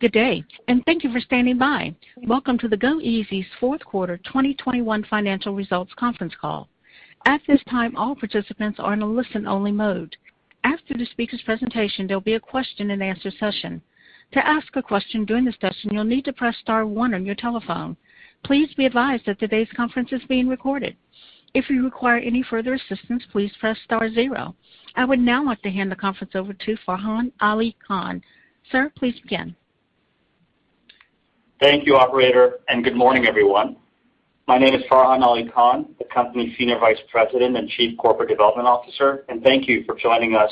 Good day, and thank you for standing by. Welcome to the goeasy's fourth quarter 2021 financial results conference call. At this time, all participants are in a listen-only mode. After the speaker's presentation, there'll be a question-and-answer session. To ask a question during the session, you'll need to press star one on your telephone. Please be advised that today's conference is being recorded. If you require any further assistance, please press star zero. I would now like to hand the conference over to Farhan Ali Khan. Sir, please begin. Thank you, operator, and good morning, everyone. My name is Farhan Ali Khan, the company's Senior Vice President and Chief Corporate Development Officer. Thank you for joining us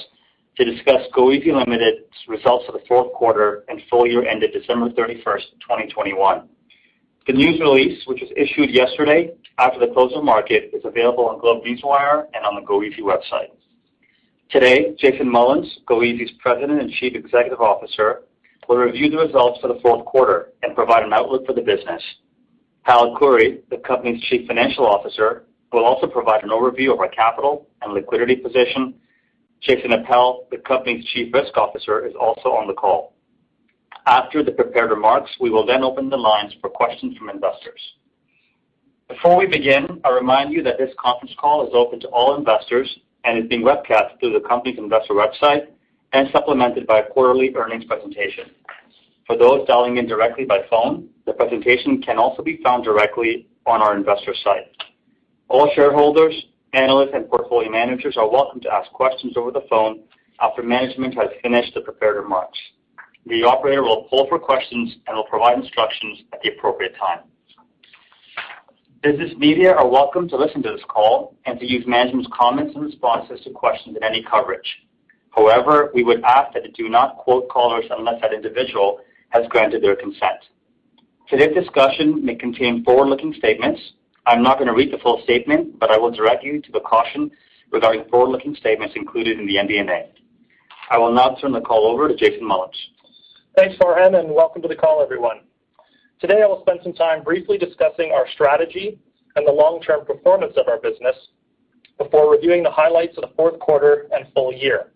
to discuss goeasy Ltd.'s results for the fourth quarter and full year ended December 31, 2021. The news release, which was issued yesterday after the close of market, is available on GlobeNewswire and on the goeasy website. Today, Jason Mullins, goeasy's President and Chief Executive Officer, will review the results for the fourth quarter and provide an outlook for the business. Hal Khouri, the company's Chief Financial Officer, will also provide an overview of our capital and liquidity position. Jason Appel, the company's Chief Risk Officer, is also on the call. After the prepared remarks, we will then open the lines for questions from investors. Before we begin, I remind you that this conference call is open to all investors and is being webcast through the company's investor website and supplemented by a quarterly earnings presentation. For those dialing in directly by phone, the presentation can also be found directly on our investor site. All shareholders, analysts, and portfolio managers are welcome to ask questions over the phone after management has finished the prepared remarks. The operator will poll for questions and will provide instructions at the appropriate time. Business media are welcome to listen to this call and to use management's comments and responses to questions in any coverage. However, we would ask that they do not quote callers unless that individual has granted their consent. Today's discussion may contain forward-looking statements. I'm not gonna read the full statement, but I will direct you to the caution regarding forward-looking statements included in the MD&A. I will now turn the call over to Jason Mullins. Thanks, Farhan, and welcome to the call, everyone. Today, I will spend some time briefly discussing our strategy and the long-term performance of our business before reviewing the highlights of the fourth quarter and full year.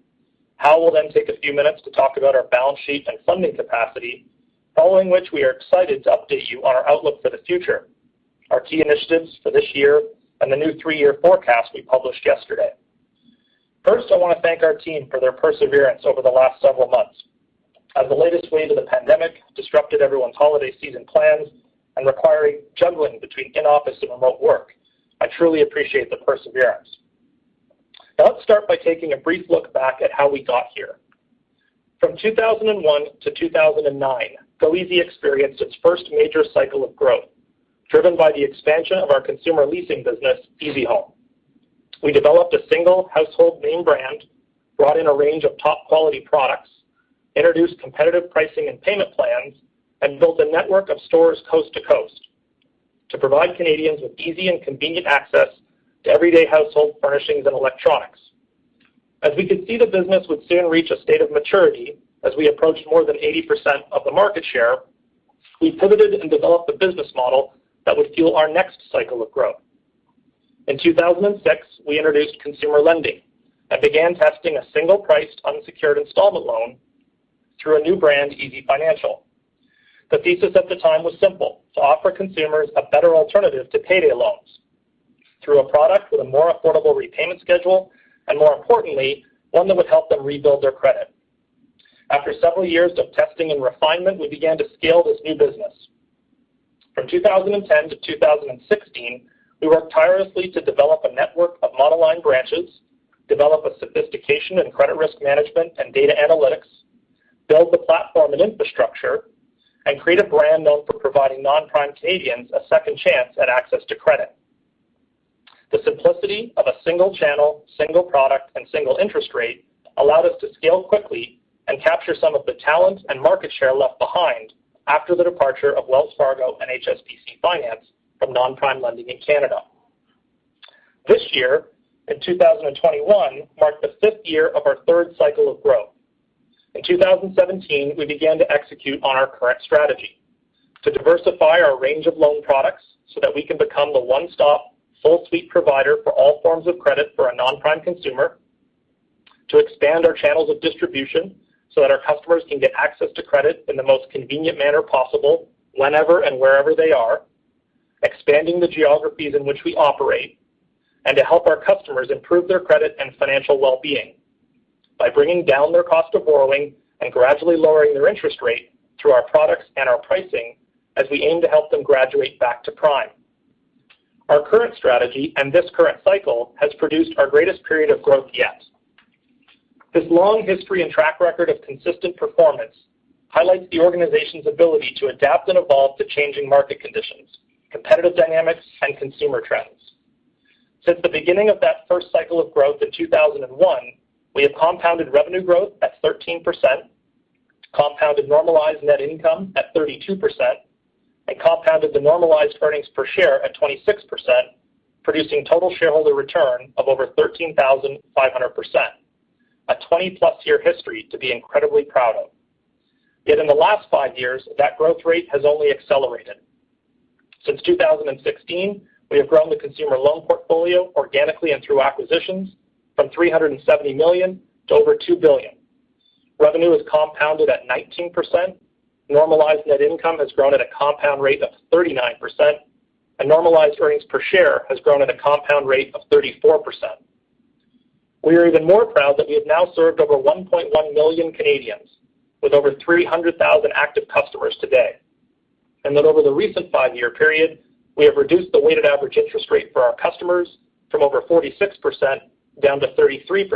Hal will then take a few minutes to talk about our balance sheet and funding capacity. Following which we are excited to update you on our outlook for the future, our key initiatives for this year, and the new three-year forecast we published yesterday. First, I wanna thank our team for their perseverance over the last several months. As the latest wave of the pandemic disrupted everyone's holiday season plans and requiring juggling between in-office and remote work, I truly appreciate the perseverance. Now let's start by taking a brief look back at how we got here. From 2001 to 2009, goeasy experienced its first major cycle of growth, driven by the expansion of our consumer leasing business, easyhome. We developed a single household name brand, brought in a range of top-quality products, introduced competitive pricing and payment plans, and built a network of stores coast to coast to provide Canadians with easy and convenient access to everyday household furnishings and electronics. As we could see the business would soon reach a state of maturity as we approached more than 80% of the market share, we pivoted and developed a business model that would fuel our next cycle of growth. In 2006, we introduced consumer lending and began testing a single-priced unsecured installment loan through a new brand, easyfinancial. The thesis at the time was simple: to offer consumers a better alternative to payday loans through a product with a more affordable repayment schedule, and more importantly, one that would help them rebuild their credit. After several years of testing and refinement, we began to scale this new business. From 2010 to 2016, we worked tirelessly to develop a network of monoline branches, develop a sophistication in credit risk management and data analytics, build the platform and infrastructure, and create a brand known for providing non-prime Canadians a second chance at access to credit. The simplicity of a single channel, single product, and single interest rate allowed us to scale quickly and capture some of the talent and market share left behind after the departure of Wells Fargo and HSBC Finance from non-prime lending in Canada. This year, in 2021, marked the fifth year of our third cycle of growth. In 2017, we began to execute on our current strategy to diversify our range of loan products so that we can become the one-stop, full-suite provider for all forms of credit for a non-prime consumer, to expand our channels of distribution so that our customers can get access to credit in the most convenient manner possible whenever and wherever they are, expanding the geographies in which we operate, and to help our customers improve their credit and financial well-being by bringing down their cost of borrowing and gradually lowering their interest rate through our products and our pricing as we aim to help them graduate back to prime. Our current strategy and this current cycle has produced our greatest period of growth yet. This long history and track record of consistent performance highlights the organization's ability to adapt and evolve to changing market conditions, competitive dynamics, and consumer trends. Since the beginning of that first cycle of growth in 2001, we have compounded revenue growth at 13%, compounded normalized net income at 32%, and compounded the normalized earnings per share at 26%, producing total shareholder return of over 13,500%, a 20+ year history to be incredibly proud of. Yet in the last five years, that growth rate has only accelerated. Since 2016, we have grown the consumer loan portfolio organically and through acquisitions from 370 million to over 2 billion. Revenue has compounded at 19%. Normalized net income has grown at a compound rate of 39%. Normalized earnings per share has grown at a compound rate of 34%. We are even more proud that we have now served over 1.1 million Canadians with over 300,000 active customers today. That over the recent five-year period, we have reduced the weighted average interest rate for our customers from over 46% down to 33%,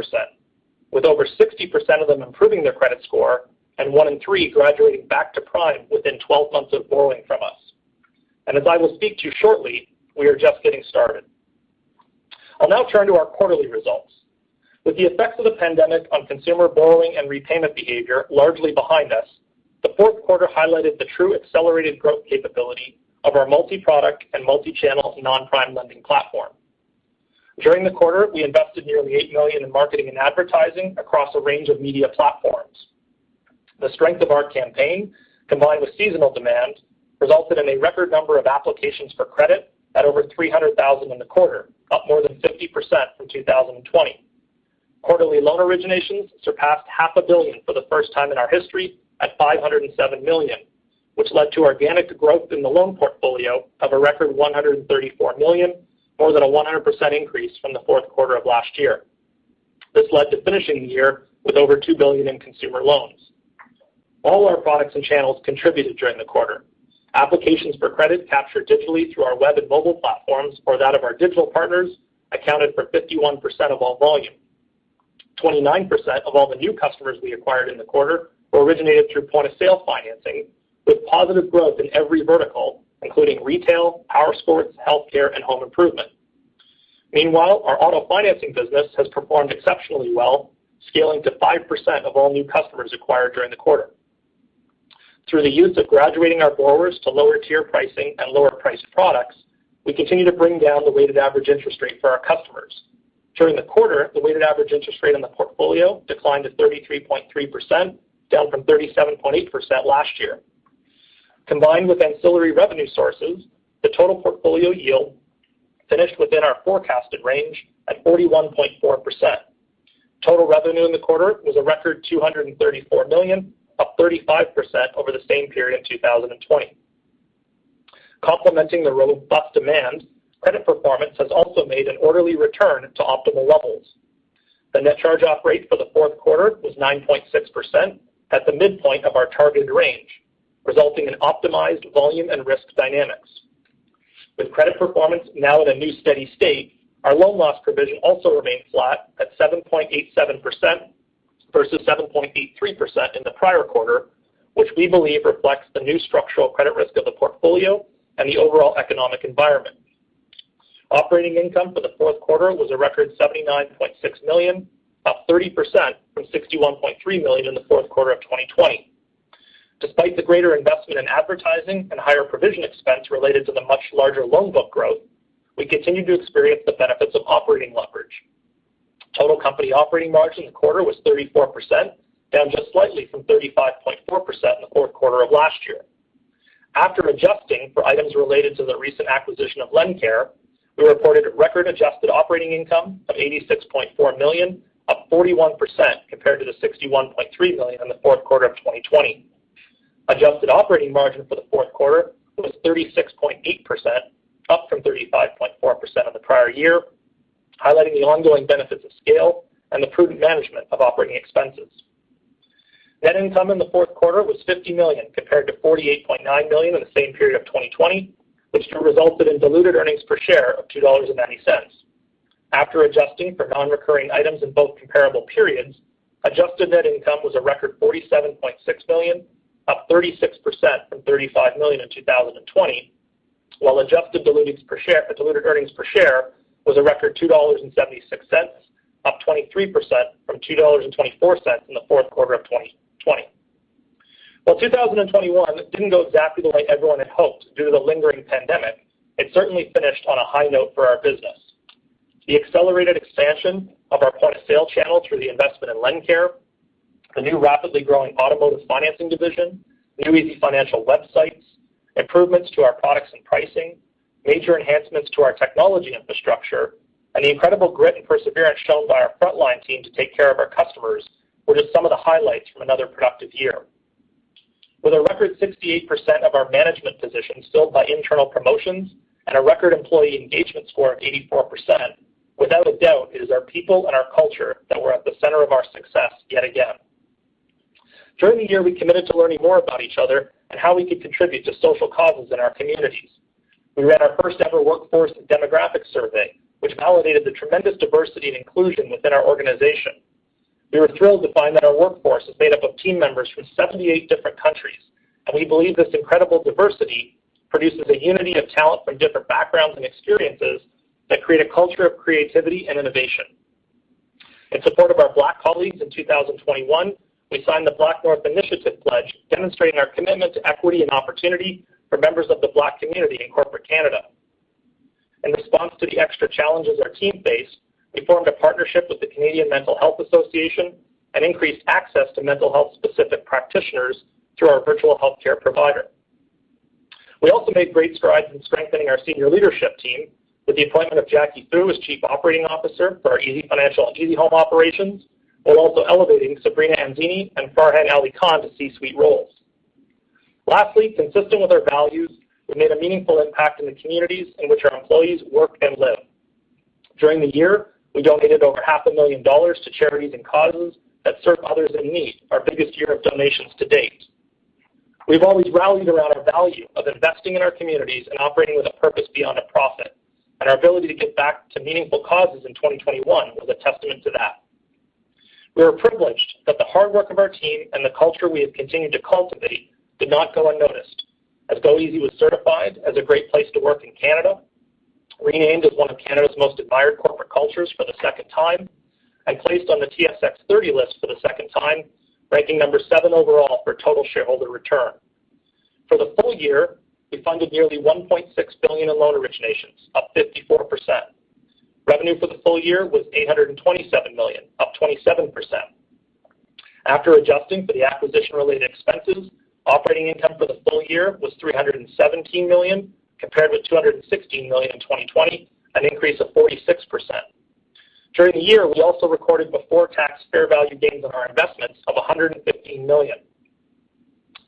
with over 60% of them improving their credit score and one in three graduating back to prime within 12 months of borrowing from us. As I will speak to shortly, we are just getting started. I'll now turn to our quarterly results. With the effects of the pandemic on consumer borrowing and repayment behavior largely behind us, the fourth quarter highlighted the true accelerated growth capability of our multi-product and multichannel non-prime lending platform. During the quarter, we invested nearly 80 million in marketing and advertising across a range of media platforms. The strength of our campaign, combined with seasonal demand, resulted in a record number of applications for credit at over 300,000 in the quarter, up more than 50% from 2020. Quarterly loan originations surpassed half a billion for the first time in our history at 507 million, which led to organic growth in the loan portfolio of a record 134 million, more than a 100% increase from the fourth quarter of last year. This led to finishing the year with over 2 billion in consumer loans. All our products and channels contributed during the quarter. Applications for credit captured digitally through our web and mobile platforms or that of our digital partners accounted for 51% of all volume. 29% of all the new customers we acquired in the quarter were originated through point-of-sale financing, with positive growth in every vertical, including retail, powersports, healthcare, and home improvement. Meanwhile, our auto financing business has performed exceptionally well, scaling to 5% of all new customers acquired during the quarter. Through the use of graduating our borrowers to lower tier pricing and lower-priced products, we continue to bring down the weighted average interest rate for our customers. During the quarter, the weighted average interest rate on the portfolio declined to 33.3%, down from 37.8% last year. Combined with ancillary revenue sources, the total portfolio yield finished within our forecasted range at 41.4%. Total revenue in the quarter was a record 234 million, up 35% over the same period in 2020. Complementing the robust demand, credit performance has also made an orderly return to optimal levels. The net charge-off rate for the fourth quarter was 9.6% at the midpoint of our targeted range, resulting in optimized volume and risk dynamics. With credit performance now at a new steady state, our loan loss provision also remained flat at 7.87% versus 7.83% in the prior quarter, which we believe reflects the new structural credit risk of the portfolio and the overall economic environment. Operating income for the fourth quarter was a record 79.6 million, up 30% from 61.3 million in the fourth quarter of 2020. Despite the greater investment in advertising and higher provision expense related to the much larger loan book growth, we continue to experience the benefits of operating leverage. Total company operating margin in the quarter was 34%, down just slightly from 35.4% in the fourth quarter of last year. After adjusting for items related to the recent acquisition of LendCare, we reported a record adjusted operating income of 86.4 million, up 41% compared to the 61.3 million in the fourth quarter of 2020. Adjusted operating margin for the fourth quarter was 36.8%, up from 35.4% of the prior year, highlighting the ongoing benefits of scale and the prudent management of operating expenses. Net income in the fourth quarter was 50 million compared to 48.9 million in the same period of 2020, which resulted in diluted earnings per share of 2.90 dollars. After adjusting for non-recurring items in both comparable periods, adjusted net income was a record 47.6 million, up 36% from 35 million in 2020, while adjusted diluted earnings per share was a record 2.76 dollars, up 23% from 2.24 dollars in the fourth quarter of 2020. 2021 didn't go exactly the way everyone had hoped due to the lingering pandemic, it certainly finished on a high note for our business. The accelerated expansion of our point-of-sale channel through the investment in LendCare, the new rapidly growing automotive financing division, new easyfinancial websites, improvements to our products and pricing, major enhancements to our technology infrastructure, and the incredible grit and perseverance shown by our frontline team to take care of our customers were just some of the highlights from another productive year. With a record 68% of our management positions filled by internal promotions and a record employee engagement score of 84%, without a doubt, it is our people and our culture that were at the center of our success yet again. During the year, we committed to learning more about each other and how we could contribute to social causes in our communities. We ran our first-ever workforce demographic survey, which validated the tremendous diversity and inclusion within our organization. We were thrilled to find that our workforce is made up of team members from 78 different countries, and we believe this incredible diversity produces a unity of talent from different backgrounds and experiences that create a culture of creativity and innovation. In support of our Black colleagues in 2021, we signed the BlackNorth Initiative pledge, demonstrating our commitment to equity and opportunity for members of the Black community in corporate Canada. In response to the extra challenges our team faced, we formed a partnership with the Canadian Mental Health Association and increased access to mental health-specific practitioners through our virtual healthcare provider. We also made great strides in strengthening our senior leadership team with the appointment of Jackie Foo as Chief Operating Officer for our easyfinancial and easyhome operations, while also elevating Sabrina Anzini and Farhan Ali Khan to C-suite roles. Lastly, consistent with our values, we made a meaningful impact in the communities in which our employees work and live. During the year, we donated over CAD half a million dollars to charities and causes that serve others in need, our biggest year of donations to date. We've always rallied around our value of investing in our communities and operating with a purpose beyond a profit, and our ability to give back to meaningful causes in 2021 was a testament to that. We are privileged that the hard work of our team and the culture we have continued to cultivate did not go unnoticed, as goeasy was certified as a great place to work in Canada, named as one of Canada's most admired corporate cultures for the second time, and placed on the TSX 30 list for the second time, ranking number seven overall for total shareholder return. For the full year, we funded nearly 1.6 billion in loan originations, up 54%. Revenue for the full year was 827 million, up 27%. After adjusting for the acquisition-related expenses, operating income for the full year was 317 million compared with 216 million in 2020, an increase of 46%. During the year, we also recorded before-tax fair value gains on our investments of 115 million.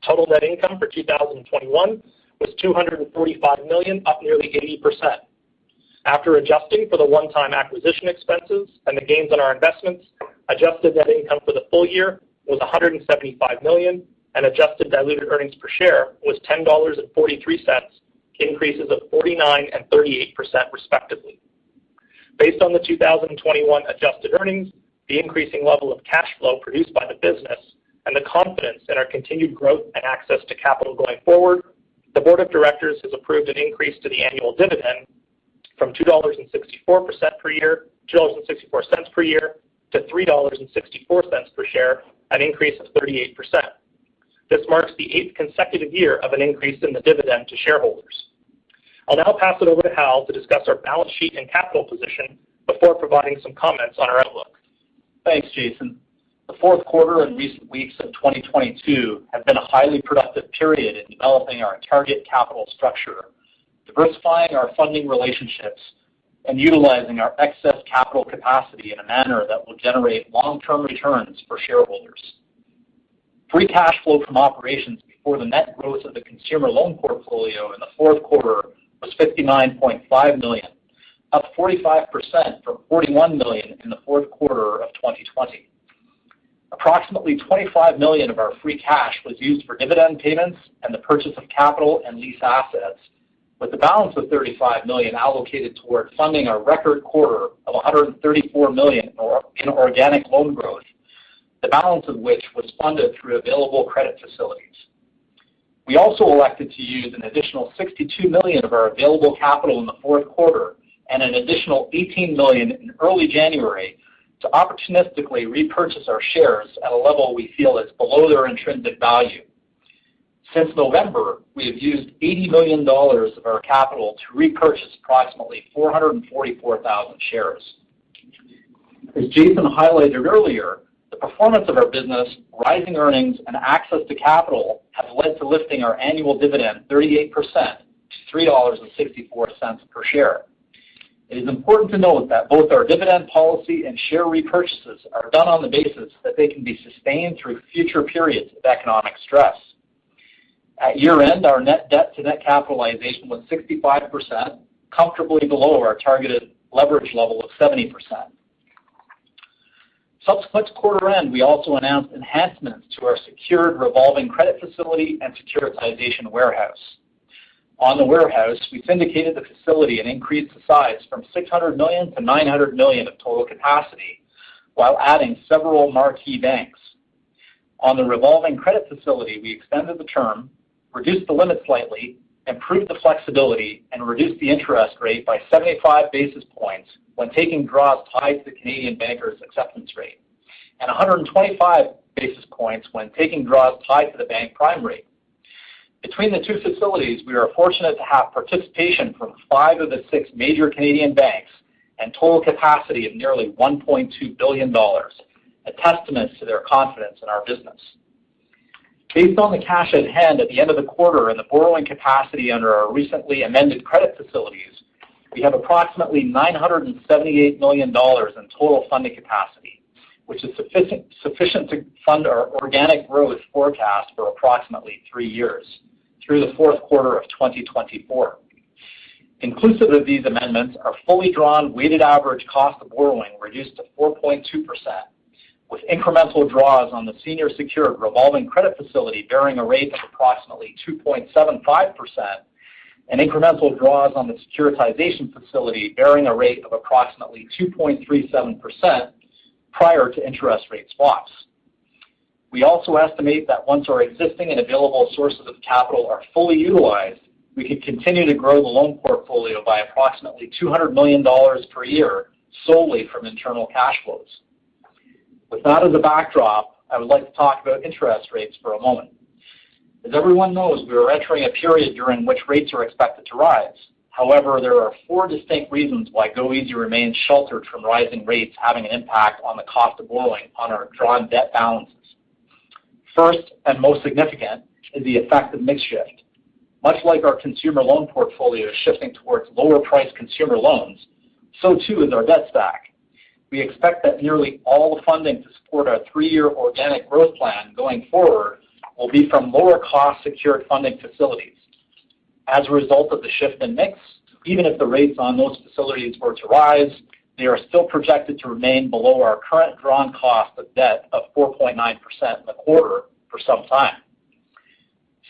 Total net income for 2021 was 245 million, up nearly 80%. After adjusting for the one-time acquisition expenses and the gains on our investments, adjusted net income for the full year was 175 million, and adjusted diluted earnings per share was 10.43 dollars, increases of 49% and 38% respectively. Based on the 2021 adjusted earnings, the increasing level of cash flow produced by the business, and the confidence in our continued growth and access to capital going forward, the board of directors has approved an increase to the annual dividend from 2.64 dollars per year to 3.64 dollars per share, an increase of 38%. This marks the eighth consecutive year of an increase in the dividend to shareholders. I'll now pass it over to Hal to discuss our balance sheet and capital position before providing some comments on our outlook. Thanks, Jason. The fourth quarter and recent weeks of 2022 have been a highly productive period in developing our target capital structure, diversifying our funding relationships, and utilizing our excess capital capacity in a manner that will generate long-term returns for shareholders. Free cash flow from operations before the net growth of the consumer loan portfolio in the fourth quarter was 59.5 million, up 45% from 41 million in the fourth quarter of 2020. Approximately 25 million of our free cash was used for dividend payments and the purchase of capital and lease assets, with the balance of 35 million allocated toward funding our record quarter of 134 million in organic loan growth, the balance of which was funded through available credit facilities. We also elected to use an additional 62 million of our available capital in the fourth quarter and an additional 18 million in early January to opportunistically repurchase our shares at a level we feel is below their intrinsic value. Since November, we have used 80 million dollars of our capital to repurchase approximately 444,000 shares. As Jason highlighted earlier, the performance of our business, rising earnings, and access to capital have led to lifting our annual dividend 38% to 3.64 dollars per share. It is important to note that both our dividend policy and share repurchases are done on the basis that they can be sustained through future periods of economic stress. At year-end, our net debt to net capitalization was 65%, comfortably below our targeted leverage level of 70%. Subsequent to quarter-end, we also announced enhancements to our secured revolving credit facility and securitization warehouse. On the warehouse, we syndicated the facility and increased the size from 600 million to 900 million of total capacity while adding several marquee banks. On the revolving credit facility, we extended the term, reduced the limit slightly, improved the flexibility, and reduced the interest rate by 75 basis points when taking draws tied to the Canadian Bankers' Acceptance rate and 125 basis points when taking draws tied to the bank prime rate. Between the two facilities, we are fortunate to have participation from five of the six major Canadian banks and total capacity of nearly 1.2 billion dollars, a testament to their confidence in our business. Based on the cash at hand at the end of the quarter and the borrowing capacity under our recently amended credit facilities, we have approximately 978 million dollars in total funding capacity, which is sufficient to fund our organic growth forecast for approximately three years through the fourth quarter of 2024. Inclusive of these amendments, our fully drawn weighted average cost of borrowing reduced to 4.2%, with incremental draws on the senior secured revolving credit facility bearing a rate of approximately 2.75% and incremental draws on the securitization facility bearing a rate of approximately 2.37% prior to interest rate swaps. We also estimate that once our existing and available sources of capital are fully utilized, we could continue to grow the loan portfolio by approximately 200 million dollars per year solely from internal cash flows. With that as a backdrop, I would like to talk about interest rates for a moment. As everyone knows, we are entering a period during which rates are expected to rise. However, there are four distinct reasons why goeasy remains sheltered from rising rates having an impact on the cost of borrowing on our drawn debt balances. First, and most significant, is the effect of mix shift. Much like our consumer loan portfolio shifting towards lower-priced consumer loans, so too is our debt stack. We expect that nearly all the funding to support our three-year organic growth plan going forward will be from lower-cost secured funding facilities. As a result of the shift in mix, even if the rates on those facilities were to rise, they are still projected to remain below our current drawn cost of debt of 4.9% in the quarter for some time.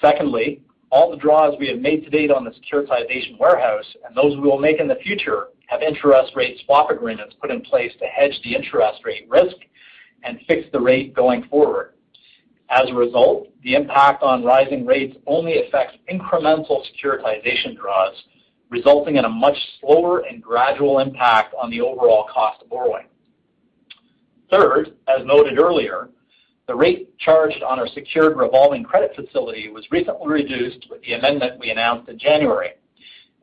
Secondly, all the draws we have made to date on the securitization warehouse and those we will make in the future have interest rate swap agreements put in place to hedge the interest rate risk and fix the rate going forward. As a result, the impact on rising rates only affects incremental securitization draws, resulting in a much slower and gradual impact on the overall cost of borrowing. Third, as noted earlier, the rate charged on our secured revolving credit facility was recently reduced with the amendment we announced in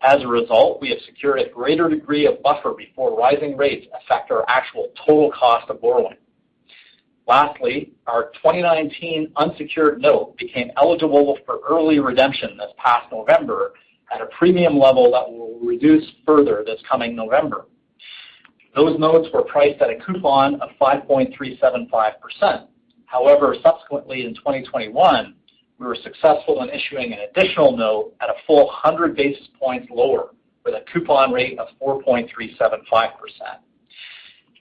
January. As a result, we have secured a greater degree of buffer before rising rates affect our actual total cost of borrowing. Lastly, our 2019 unsecured note became eligible for early redemption this past November at a premium level that will reduce further this coming November. Those notes were priced at a coupon of 5.375%. However, subsequently in 2021, we were successful in issuing an additional note at a full 100 basis points lower with a coupon rate of 4.375%.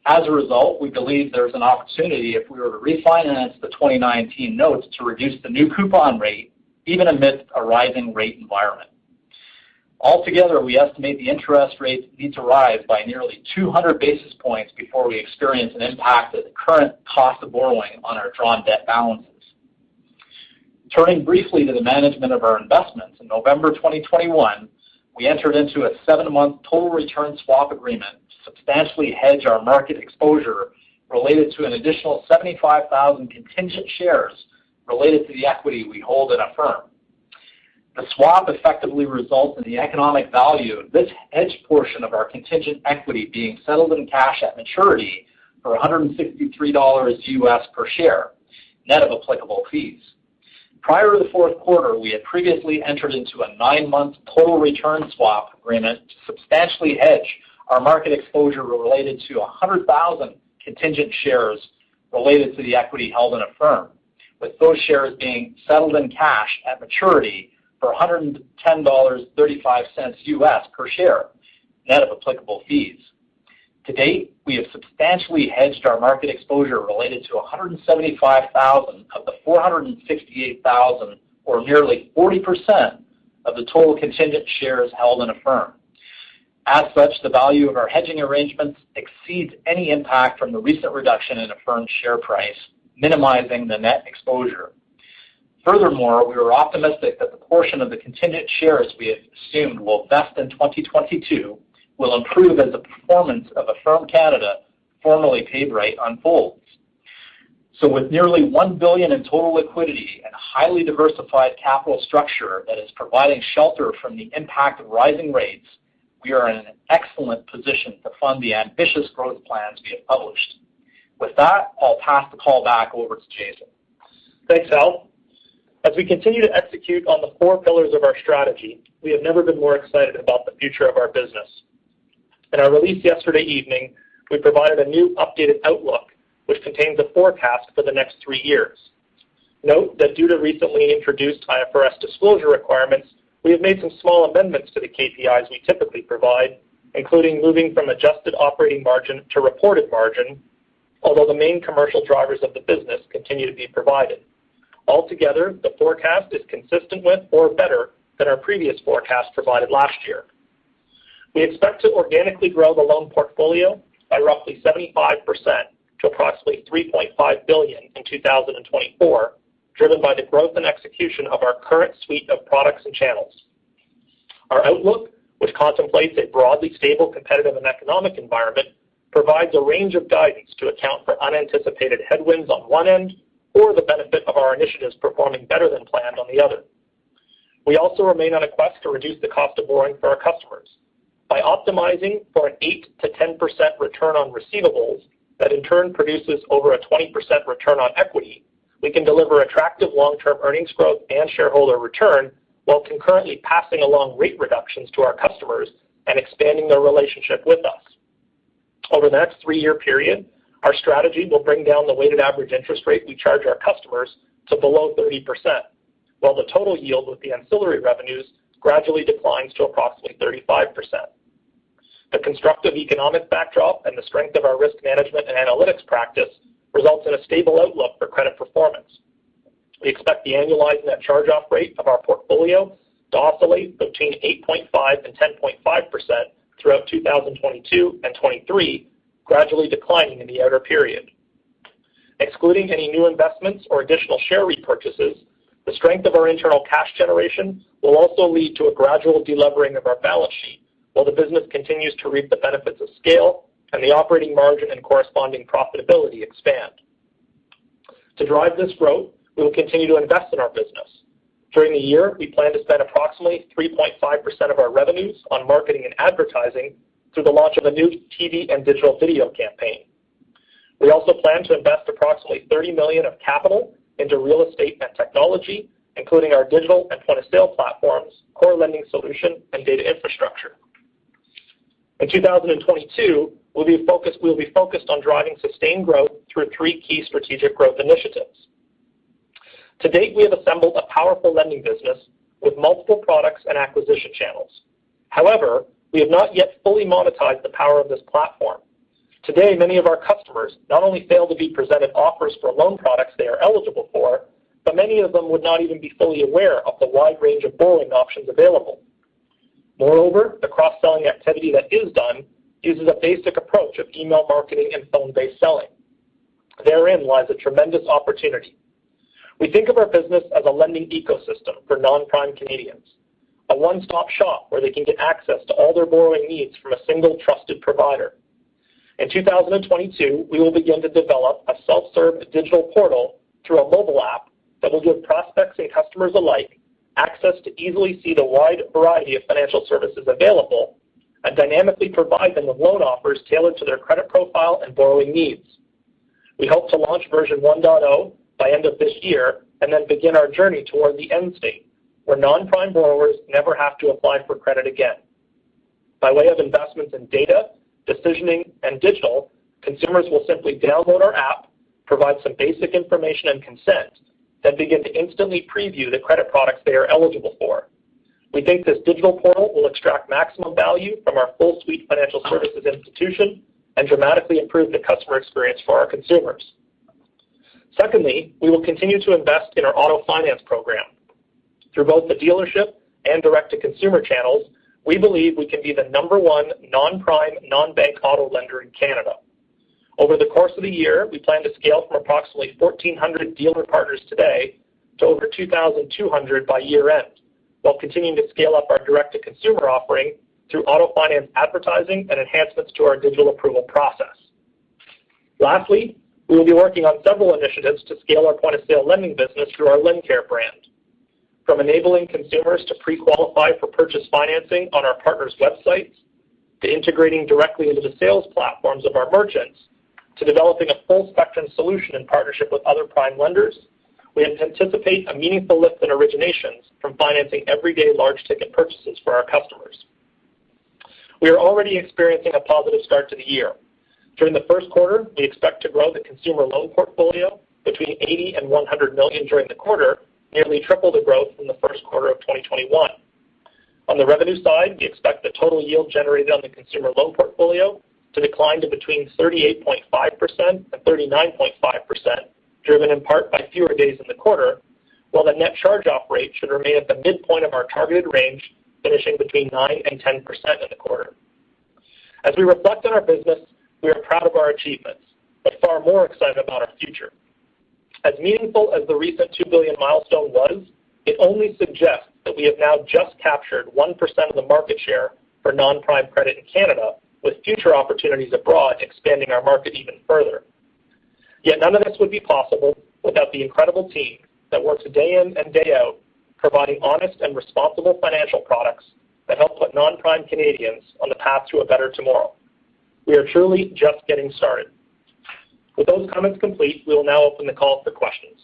As a result, we believe there's an opportunity if we were to refinance the 2019 notes to reduce the new coupon rate even amidst a rising rate environment. Altogether, we estimate the interest rates need to rise by nearly 200 basis points before we experience an impact at the current cost of borrowing on our drawn debt balances. Turning briefly to the management of our investments, in November 2021, we entered into a 7-month total return swap agreement to substantially hedge our market exposure related to an additional 75,000 contingent shares related to the equity we hold in Affirm. The swap effectively results in the economic value of this hedged portion of our contingent equity being settled in cash at maturity for $163 U.S. per share, net of applicable fees. Prior to the fourth quarter, we had previously entered into a nine-month total return swap agreement to substantially hedge our market exposure related to 100,000 contingent shares related to the equity held in Affirm, with those shares being settled in cash at maturity for $110.35 U.S. Per share, net of applicable fees. To date, we have substantially hedged our market exposure related to 175,000 of the 468,000, or nearly 40% of the total contingent shares held in Affirm. As such, the value of our hedging arrangements exceeds any impact from the recent reduction in Affirm's share price, minimizing the net exposure. Furthermore, we are optimistic that the portion of the contingent shares we have assumed will vest in 2022 will improve as the performance of Affirm Canada, formerly PayBright, unfolds. With nearly 1 billion in total liquidity and highly diversified capital structure that is providing shelter from the impact of rising rates, we are in an excellent position to fund the ambitious growth plans we have published. With that, I'll pass the call back over to Jason. Thanks, Hal. As we continue to execute on the four pillars of our strategy, we have never been more excited about the future of our business. In our release yesterday evening, we provided a new updated outlook which contains a forecast for the next three years. Note that due to recently introduced IFRS disclosure requirements, we have made some small amendments to the KPIs we typically provide, including moving from adjusted operating margin to reported margin, although the main commercial drivers of the business continue to be provided. Altogether, the forecast is consistent with or better than our previous forecast provided last year. We expect to organically grow the loan portfolio by roughly 75% to approximately 3.5 billion in 2024, driven by the growth and execution of our current suite of products and channels. Our outlook, which contemplates a broadly stable, competitive, and economic environment, provides a range of guidance to account for unanticipated headwinds on one end or the benefit of our initiatives performing better than planned on the other. We also remain on a quest to reduce the cost of borrowing for our customers. By optimizing for an 8%-10% return on receivables that in turn produces over a 20% return on equity, we can deliver attractive long-term earnings growth and shareholder return while concurrently passing along rate reductions to our customers and expanding their relationship with us. Over the next three-year period, our strategy will bring down the weighted average interest rate we charge our customers to below 30%, while the total yield with the ancillary revenues gradually declines to approximately 35%. The constructive economic backdrop and the strength of our risk management and analytics practice results in a stable outlook for credit performance. We expect the annualized net charge-off rate of our portfolio to oscillate between 8.5% and 10.5% throughout 2022 and 2023, gradually declining in the outer period. Excluding any new investments or additional share repurchases. The strength of our internal cash generation will also lead to a gradual delevering of our balance sheet while the business continues to reap the benefits of scale and the operating margin and corresponding profitability expand. To drive this growth, we will continue to invest in our business. During the year, we plan to spend approximately 3.5% of our revenues on marketing and advertising through the launch of a new TV and digital video campaign. We also plan to invest approximately 30 million of capital into real estate and technology, including our digital and point-of-sale platforms, core lending solution, and data infrastructure. In 2022, we will be focused on driving sustained growth through three key strategic growth initiatives. To date, we have assembled a powerful lending business with multiple products and acquisition channels. However, we have not yet fully monetized the power of this platform. Today, many of our customers not only fail to be presented offers for loan products they are eligible for, but many of them would not even be fully aware of the wide range of borrowing options available. Moreover, the cross-selling activity that is done uses a basic approach of email marketing and phone-based selling. Therein lies a tremendous opportunity. We think of our business as a lending ecosystem for non-prime Canadians, a one-stop shop where they can get access to all their borrowing needs from a single trusted provider. In 2022, we will begin to develop a self-serve digital portal through a mobile app that will give prospects and customers alike access to easily see the wide variety of financial services available and dynamically provide them with loan offers tailored to their credit profile and borrowing needs. We hope to launch version 1.0 by end of this year and then begin our journey toward the end state, where non-prime borrowers never have to apply for credit again. By way of investments in data, decisioning, and digital, consumers will simply download our app, provide some basic information and consent, then begin to instantly preview the credit products they are eligible for. We think this digital portal will extract maximum value from our full-suite financial services institution and dramatically improve the customer experience for our consumers. Secondly, we will continue to invest in our auto finance program. Through both the dealership and direct-to-consumer channels, we believe we can be the number one non-prime, non-bank auto lender in Canada. Over the course of the year, we plan to scale from approximately 1,400 dealer partners today to over 2,200 by year-end while continuing to scale up our direct-to-consumer offering through auto finance advertising and enhancements to our digital approval process. Lastly, we will be working on several initiatives to scale our point-of-sale lending business through our LendCare brand, from enabling consumers to pre-qualify for purchase financing on our partners' websites, to integrating directly into the sales platforms of our merchants, to developing a full-spectrum solution in partnership with other prime lenders. We anticipate a meaningful lift in originations from financing everyday large ticket purchases for our customers. We are already experiencing a positive start to the year. During the first quarter, we expect to grow the consumer loan portfolio between 80 million and 100 million during the quarter, nearly triple the growth from the first quarter of 2021. On the revenue side, we expect the total yield generated on the consumer loan portfolio to decline to between 38.5%-39.5%, driven in part by fewer days in the quarter, while the net charge-off rate should remain at the midpoint of our targeted range, finishing between 9%-10% in the quarter. As we reflect on our business, we are proud of our achievements, but far more excited about our future. As meaningful as the recent 2 billion milestone was, it only suggests that we have now just captured 1% of the market share for non-prime credit in Canada, with future opportunities abroad expanding our market even further. Yet none of this would be possible without the incredible team that works day in and day out, providing honest and responsible financial products that help put non-prime Canadians on the path to a better tomorrow. We are truly just getting started. With those comments complete, we will now open the call for questions.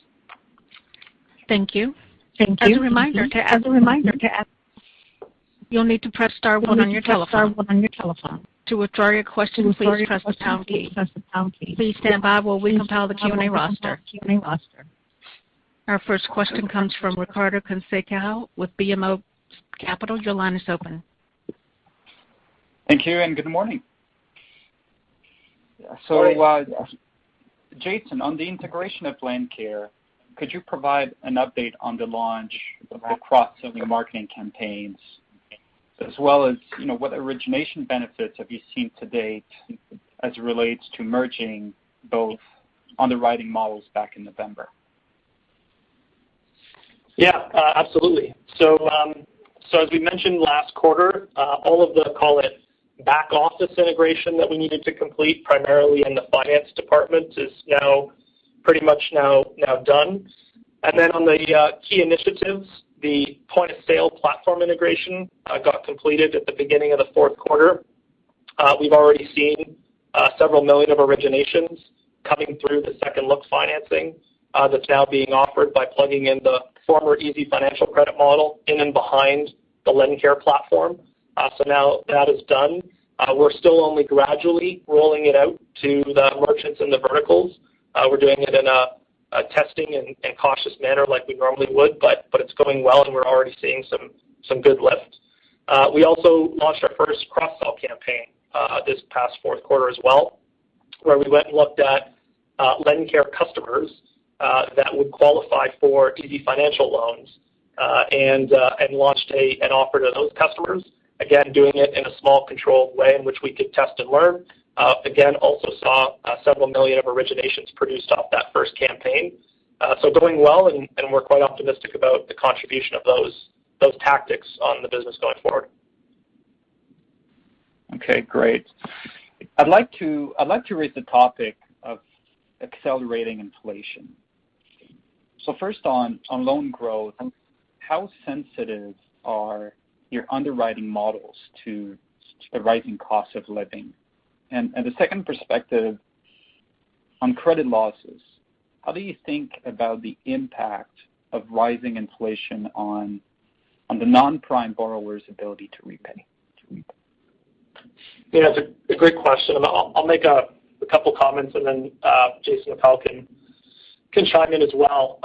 Thank you. As a reminder, you'll need to press star one on your telephone. To withdraw your question, please press the pound key. Please stand by while we compile the Q&A roster. Our first question comes from Etienne Ricard with BMO Capital. Your line is open. Thank you, and good morning. Jason, on the integration of LendCare, could you provide an update on the launch of the cross-selling marketing campaigns, as well as, you know, what origination benefits have you seen to date as it relates to merging both underwriting models back in November? Yeah, absolutely. As we mentioned last quarter, all of the, call it, back office integration that we needed to complete primarily in the finance department is now pretty much done. Then on the key initiatives, the point-of-sale platform integration got completed at the beginning of the fourth quarter. We've already seen several million of originations coming through the second look financing that's now being offered by plugging in the former easyfinancial credit model in and behind the LendCare platform. Now that is done. We're still only gradually rolling it out to the merchants and the verticals. We're doing it in a testing and cautious manner like we normally would, but it's going well, and we're already seeing some good lift. We also launched our first cross-sell campaign this past fourth quarter as well, where we went and looked at LendCare customers that would qualify for easyfinancial loans and launched an offer to those customers. Again, doing it in a small controlled way in which we could test and learn. Again, also saw several million of originations produced off that first campaign. So doing well, and we're quite optimistic about the contribution of those tactics on the business going forward. Okay, great. I'd like to raise the topic of accelerating inflation. First on loan growth, how sensitive are your underwriting models to the rising cost of living? The second perspective on credit losses, how do you think about the impact of rising inflation on the non-prime borrower's ability to repay? Yeah, it's a great question. I'll make a couple comments and then Jason Appel can chime in as well.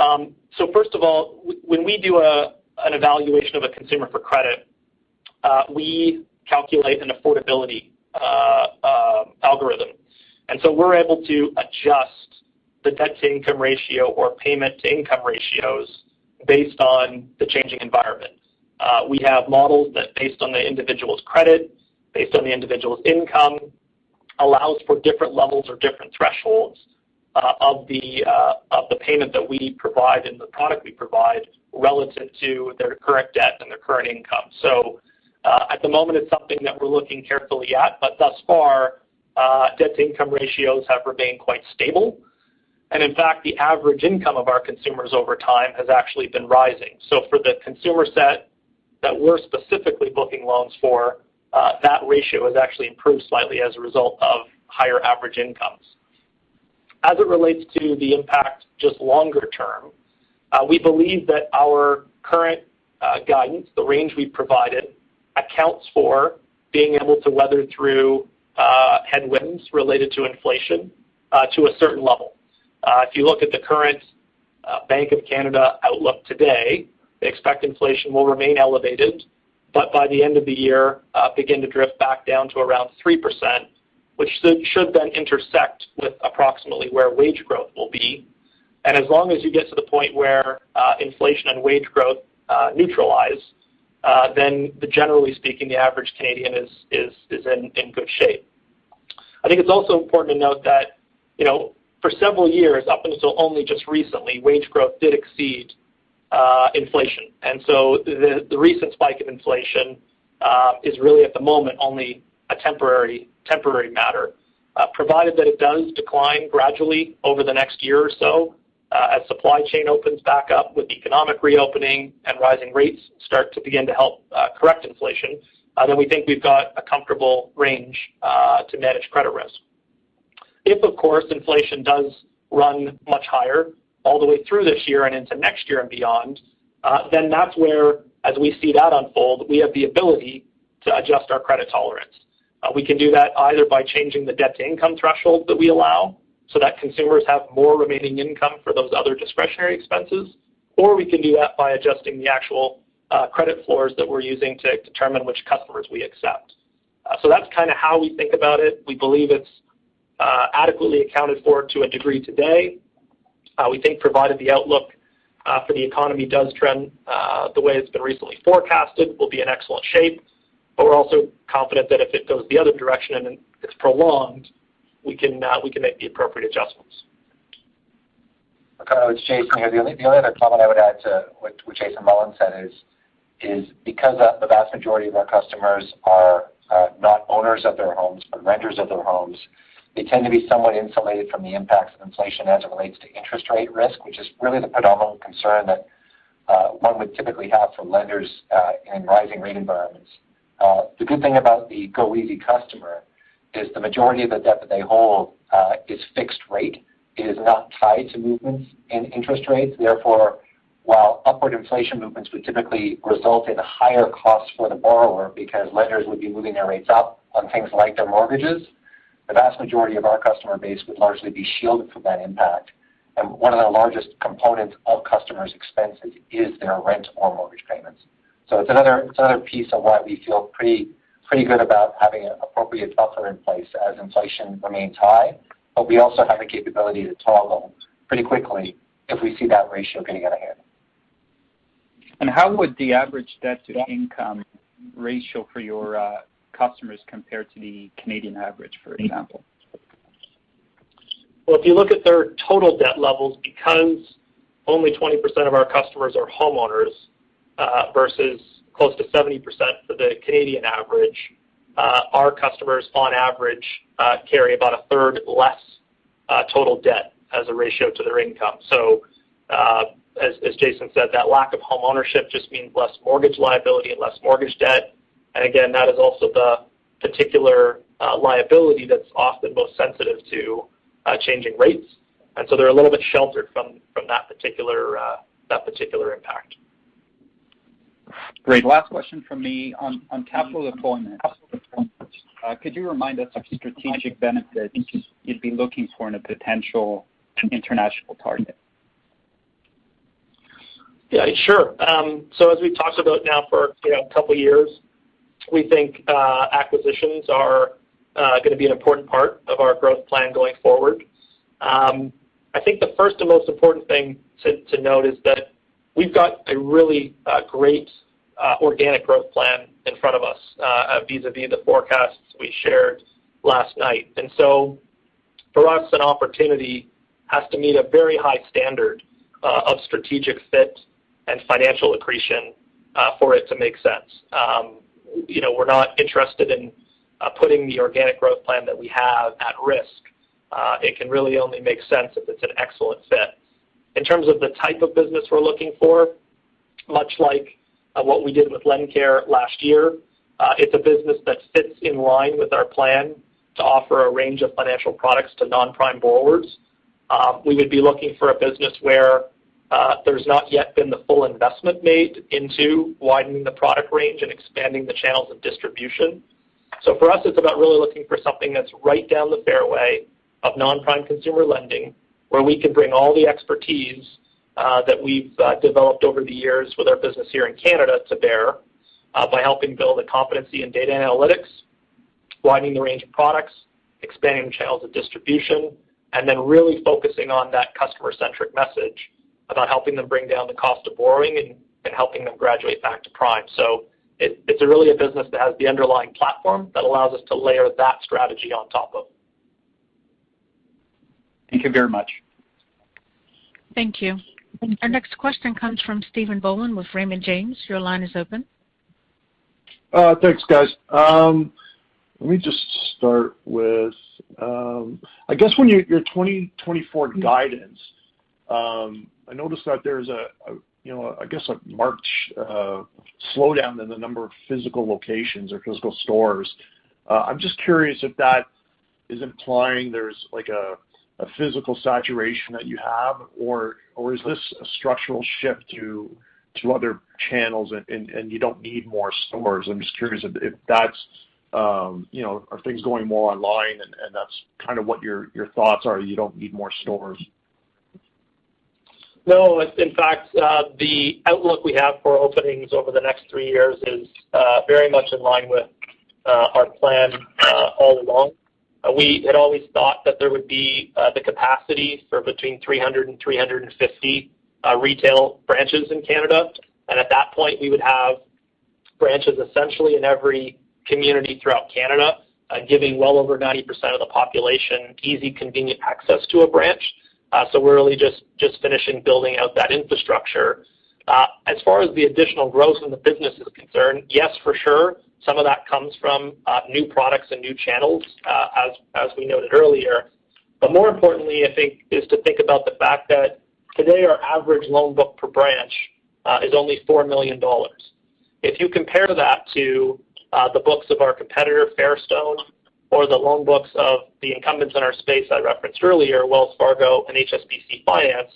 First of all, when we do an evaluation of a consumer for credit, we calculate an affordability algorithm. We're able to adjust the debt-to-income ratio or payment-to-income ratios based on the changing environment. We have models that based on the individual's credit, based on the individual's income, allows for different levels or different thresholds of the payment that we provide and the product we provide relative to their current debt and their current income. At the moment, it's something that we're looking carefully at, but thus far, debt-to-income ratios have remained quite stable. In fact, the average income of our consumers over time has actually been rising. For the consumer set that we're specifically booking loans for, that ratio has actually improved slightly as a result of higher average incomes. As it relates to the impact just longer term, we believe that our current guidance, the range we've provided, accounts for being able to weather through headwinds related to inflation to a certain level. If you look at the current Bank of Canada outlook today, they expect inflation will remain elevated, but by the end of the year, begin to drift back down to around 3%, which should then intersect with approximately where wage growth will be. As long as you get to the point where inflation and wage growth neutralize, then generally speaking, the average Canadian is in good shape. I think it's also important to note that, you know, for several years up until only just recently, wage growth did exceed inflation. The recent spike of inflation is really at the moment only a temporary matter. Provided that it does decline gradually over the next year or so, as supply chain opens back up with economic reopening and rising rates start to begin to help correct inflation, then we think we've got a comfortable range to manage credit risk. If, of course, inflation does run much higher all the way through this year and into next year and beyond, then that's where as we see that unfold, we have the ability to adjust our credit tolerance. We can do that either by changing the debt-to-income threshold that we allow so that consumers have more remaining income for those other discretionary expenses, or we can do that by adjusting the actual credit floors that we're using to determine which customers we accept. That's kind of how we think about it. We believe it's adequately accounted for to a degree today. We think provided the outlook for the economy does trend the way it's been recently forecasted, we'll be in excellent shape. We're also confident that if it goes the other direction and then it's prolonged, we can make the appropriate adjustments. Marcel, it's Jason here. The only other comment I would add to what Jason Mullins said is because of the vast majority of our customers are not owners of their homes, but renters of their homes, they tend to be somewhat insulated from the impacts of inflation as it relates to interest rate risk, which is really the predominant concern that one would typically have for lenders in rising rate environments. The good thing about the goeasy customer is the majority of the debt that they hold is fixed rate. It is not tied to movements in interest rates. Therefore, while upward inflation movements would typically result in higher costs for the borrower because lenders would be moving their rates up on things like their mortgages, the vast majority of our customer base would largely be shielded from that impact. One of the largest components of customers' expenses is their rent or mortgage payments. It's another piece of why we feel pretty good about having an appropriate buffer in place as inflation remains high. We also have the capability to toggle pretty quickly if we see that ratio getting out of hand. How would the average debt-to-income ratio for your customers compare to the Canadian average, for example? Well, if you look at their total debt levels, because only 20% of our customers are homeowners, versus close to 70% for the Canadian average, our customers on average carry about a third less total debt as a ratio to their income. As Jason said, that lack of homeownership just means less mortgage liability and less mortgage debt. Again, that is also the particular liability that's often most sensitive to changing rates. They're a little bit sheltered from that particular impact. Great. Last question from me. On capital deployment, could you remind us of strategic benefits you'd be looking for in a potential international target? Yeah, sure. So as we've talked about now for, you know, a couple years, we think acquisitions are gonna be an important part of our growth plan going forward. I think the first and most important thing to note is that we've got a really great organic growth plan in front of us vis-a-vis the forecasts we shared last night. For us, an opportunity has to meet a very high standard of strategic fit and financial accretion for it to make sense. You know, we're not interested in putting the organic growth plan that we have at risk. It can really only make sense if it's an excellent fit. In terms of the type of business we're looking for, much like what we did with LendCare last year, it's a business that fits in line with our plan to offer a range of financial products to non-prime borrowers. We would be looking for a business where there's not yet been the full investment made into widening the product range and expanding the channels of distribution. For us, it's about really looking for something that's right down the fairway of non-prime consumer lending, where we can bring all the expertise that we've developed over the years with our business here in Canada to bear by helping build a competency in data analytics, widening the range of products, expanding channels of distribution, and then really focusing on that customer-centric message about helping them bring down the cost of borrowing and helping them graduate back to prime. It's really a business that has the underlying platform that allows us to layer that strategy on top of. Thank you very much. Thank you. Our next question comes from Stephen Boland with Raymond James. Your line is open. Thanks, guys. Let me just start with, I guess your 2024 guidance, I noticed that there's a, you know, I guess a marked slowdown in the number of physical locations or physical stores. I'm just curious if that is implying there's like a physical saturation that you have, or is this a structural shift to other channels and you don't need more stores? I'm just curious if that's, you know. Are things going more online, and that's kind of what your thoughts are, you don't need more stores? No. In fact, the outlook we have for openings over the next three years is very much in line with our plan all along. We had always thought that there would be the capacity for between 300-350 retail branches in Canada. At that point, we would have branches essentially in every community throughout Canada, giving well over 90% of the population easy, convenient access to a branch. We're really just finishing building out that infrastructure. As far as the additional growth in the business is concerned, yes, for sure. Some of that comes from new products and new channels, as we noted earlier. More importantly, I think, is to think about the fact that today our average loan book per branch is only 4 million dollars. If you compare that to the books of our competitor, Fairstone, or the loan books of the incumbents in our space I referenced earlier, Wells Fargo and HSBC Finance,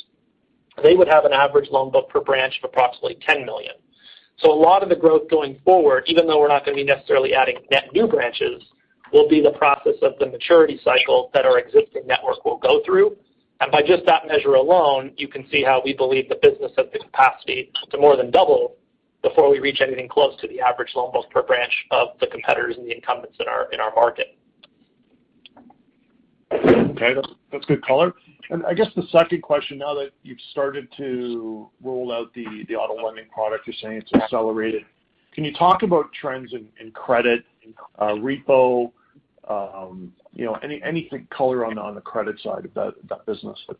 they would have an average loan book per branch of approximately 10 million. So a lot of the growth going forward, even though we're not gonna be necessarily adding net new branches, will be the process of the maturity cycle that our existing network will go through. By just that measure alone, you can see how we believe the business has the capacity to more than double before we reach anything close to the average loan books per branch of the competitors and the incumbents in our market. Okay. That's good color. I guess the second question now that you've started to roll out the auto lending product, you're saying it's accelerated. Can you talk about trends in credit, repo, you know, anything color on the credit side of that business with?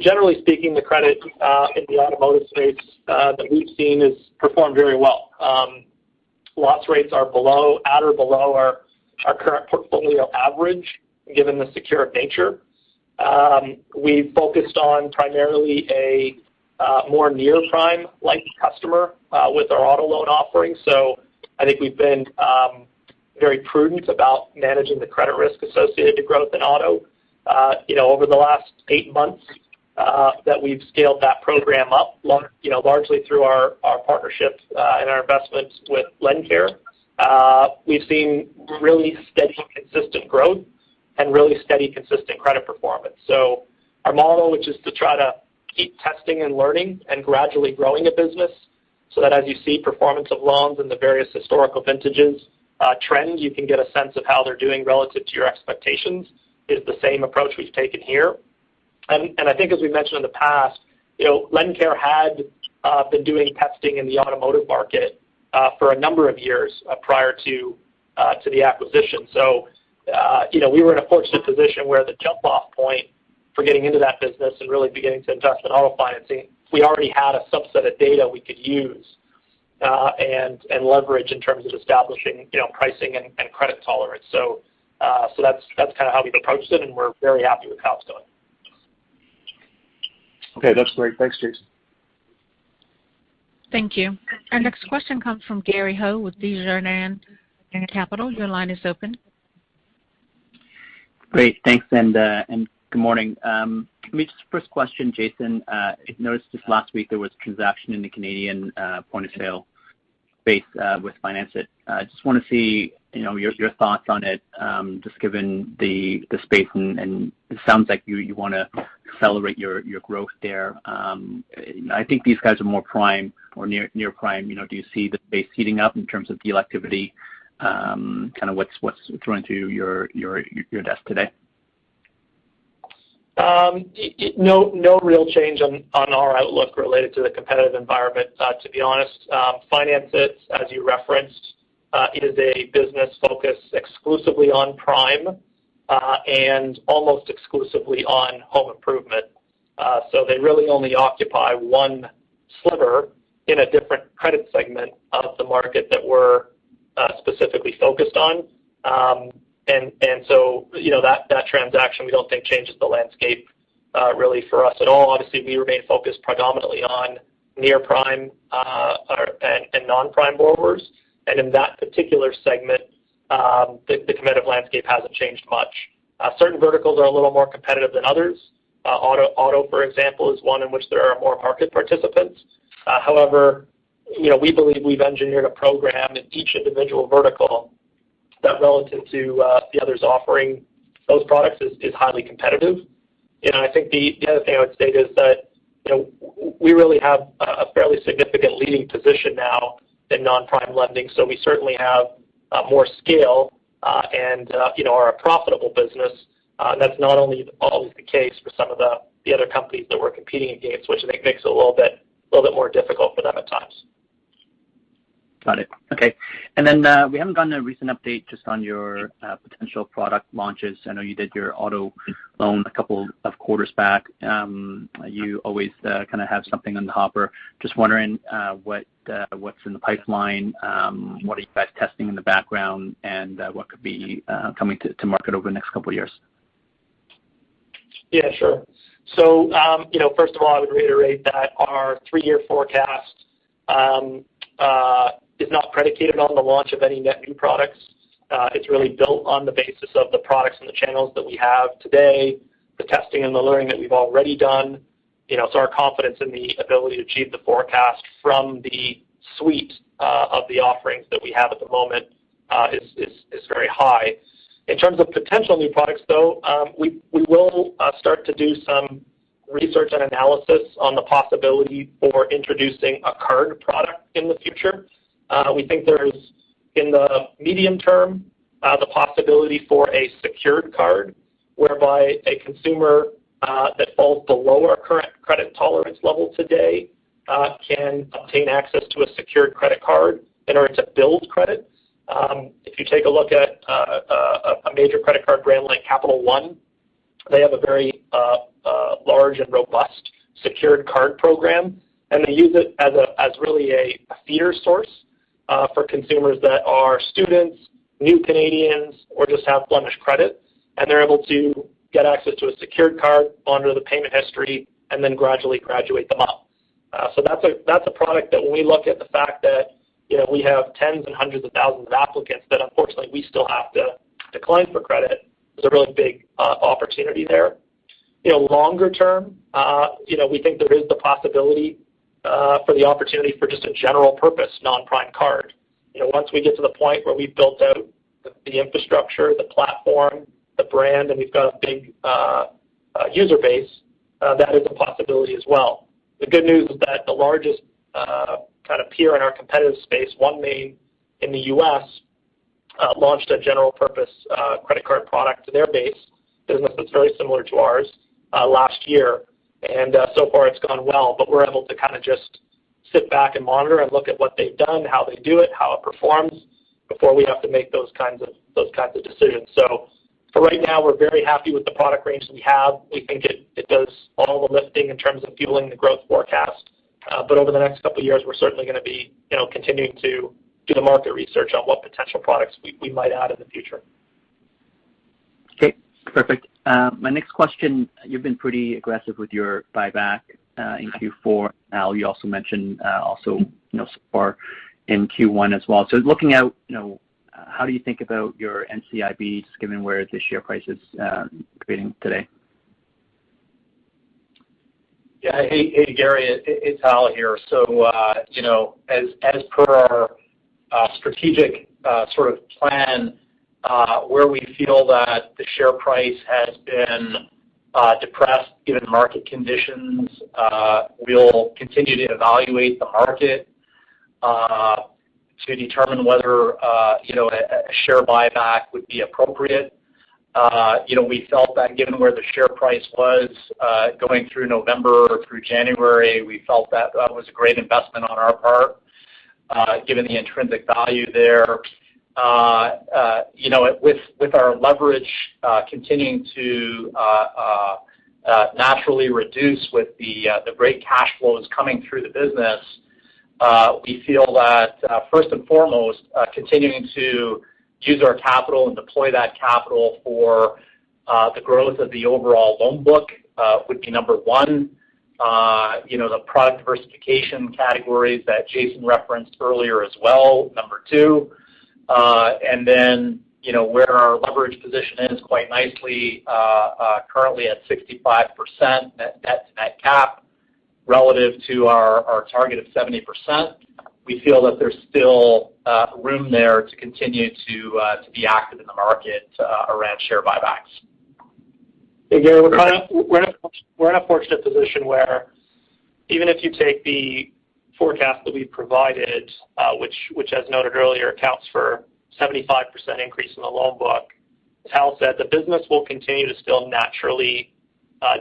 Generally speaking, the credit in the automotive space that we've seen has performed very well. Loss rates are below, at or below our current portfolio average, given the secure nature. We've focused on primarily a more near-prime like customer with our auto loan offering. I think we've been very prudent about managing the credit risk associated to growth in auto. You know, over the last eight months that we've scaled that program up you know, largely through our partnerships and our investments with LendCare. We've seen really steady, consistent growth and really steady, consistent credit performance. Our model, which is to try to keep testing and learning and gradually growing a business so that as you see performance of loans in the various historical vintages, trend, you can get a sense of how they're doing relative to your expectations, is the same approach we've taken here. I think as we've mentioned in the past, you know, LendCare had been doing testing in the automotive market for a number of years prior to the acquisition. You know, we were in a fortunate position where the jump-off point for getting into that business and really beginning to invest in auto financing, we already had a subset of data we could use and leverage in terms of establishing, you know, pricing and credit tolerance. That's kinda how we've approached it, and we're very happy with how it's going. Okay. That's great. Thanks, Jason. Thank you. Our next question comes from Gary Ho with Desjardins Capital. Your line is open. Great. Thanks. Good morning. First question, Jason. I noticed just last week there was a transaction in the Canadian point-of-sale space with Financeit. Just wanna see, you know, your thoughts on it just given the space and it sounds like you wanna accelerate your growth there. I think these guys are more prime or near-prime, you know. Do you see the space heating up in terms of deal activity? Kind of what's going through your desk today? No real change on our outlook related to the competitive environment, to be honest. Financeit, as you referenced, it is a business focused exclusively on prime, and almost exclusively on home improvement. They really only occupy one sliver in a different credit segment of the market that we're specifically focused on. You know, that transaction we don't think changes the landscape really for us at all. Obviously, we remain focused predominantly on near prime and non-prime borrowers. In that particular segment, the competitive landscape hasn't changed much. Certain verticals are a little more competitive than others. Auto for example, is one in which there are more market participants. However, you know, we believe we've engineered a program in each individual vertical that relative to the others offering those products is highly competitive. You know, I think the other thing I would state is that, you know, we really have a fairly significant leading position now in non-prime lending. We certainly have more scale and, you know, are a profitable business. That's not only always the case for some of the other companies that we're competing against, which I think makes it a little bit more difficult for them at times. Got it. Okay. We haven't gotten a recent update just on your potential product launches. I know you did your auto loan a couple of quarters back. You always kind of have something in the hopper. Just wondering, what's in the pipeline, what are you guys testing in the background, and what could be coming to market over the next couple of years? Yeah, sure. You know, first of all, I would reiterate that our three-year forecast is not predicated on the launch of any net new products. It's really built on the basis of the products and the channels that we have today, the testing and the learning that we've already done. You know, our confidence in the ability to achieve the forecast from the suite of the offerings that we have at the moment is very high. In terms of potential new products though, we will start to do some research and analysis on the possibility for introducing a card product in the future. We think there's, in the medium term, the possibility for a secured card whereby a consumer that falls below our current credit tolerance level today can obtain access to a secured credit card in order to build credit. If you take a look at a major credit card brand like Capital One, they have a very large and robust secured card program, and they use it as really a feeder source for consumers that are students, new Canadians, or just have blemished credit. They're able to get access to a secured card, monitor the payment history, and then gradually graduate them up. That's a product that when we look at the fact that, you know, we have tens and hundreds of thousands of applicants that unfortunately we still have to decline for credit, there's a really big opportunity there. You know, longer term, you know, we think there is the possibility for the opportunity for just a general purpose non-prime card. You know, once we get to the point where we've built out the infrastructure, the platform, the brand, and we've got a big user base, that is a possibility as well. The good news is that the largest kind of peer in our competitive space, OneMain Financial in the U.S., launched a general purpose credit card product to their base business that's very similar to ours last year. So far it's gone well, but we're able to kind of just sit back and monitor and look at what they've done, how they do it, how it performs before we have to make those kinds of decisions. For right now, we're very happy with the product range that we have. We think it does all the lifting in terms of fueling the growth forecast. But over the next couple of years, we're certainly gonna be, you know, continuing to do the market research on what potential products we might add in the future. Okay. Perfect. My next question, you've been pretty aggressive with your buyback in Q4. Al, you also mentioned, you know, so far in Q1 as well. Looking out, you know, how do you think about your NCIBs given where the share price is trading today? Yeah. Hey, Gary, it's Hal here. So, you know, as per our strategic sort of plan, where we feel that the share price has been depressed given market conditions, we'll continue to evaluate the market to determine whether, you know, a share buyback would be appropriate. You know, we felt that given where the share price was going through November through January, we felt that that was a great investment on our part, given the intrinsic value there. You know, with our leverage continuing to naturally reduce with the great cash flows coming through the business, we feel that first and foremost continuing to use our capital and deploy that capital for the growth of the overall loan book would be number one. You know, the product diversification categories that Jason referenced earlier as well, number two. You know, where our leverage position ends quite nicely, currently at 65% net-net to net cap relative to our target of 70%. We feel that there's still room there to continue to be active in the market around share buybacks. Hey, Gary, we're in a fortunate position where even if you take the forecast that we provided, which as noted earlier, accounts for 75% increase in the loan book, Hal said the business will continue to still naturally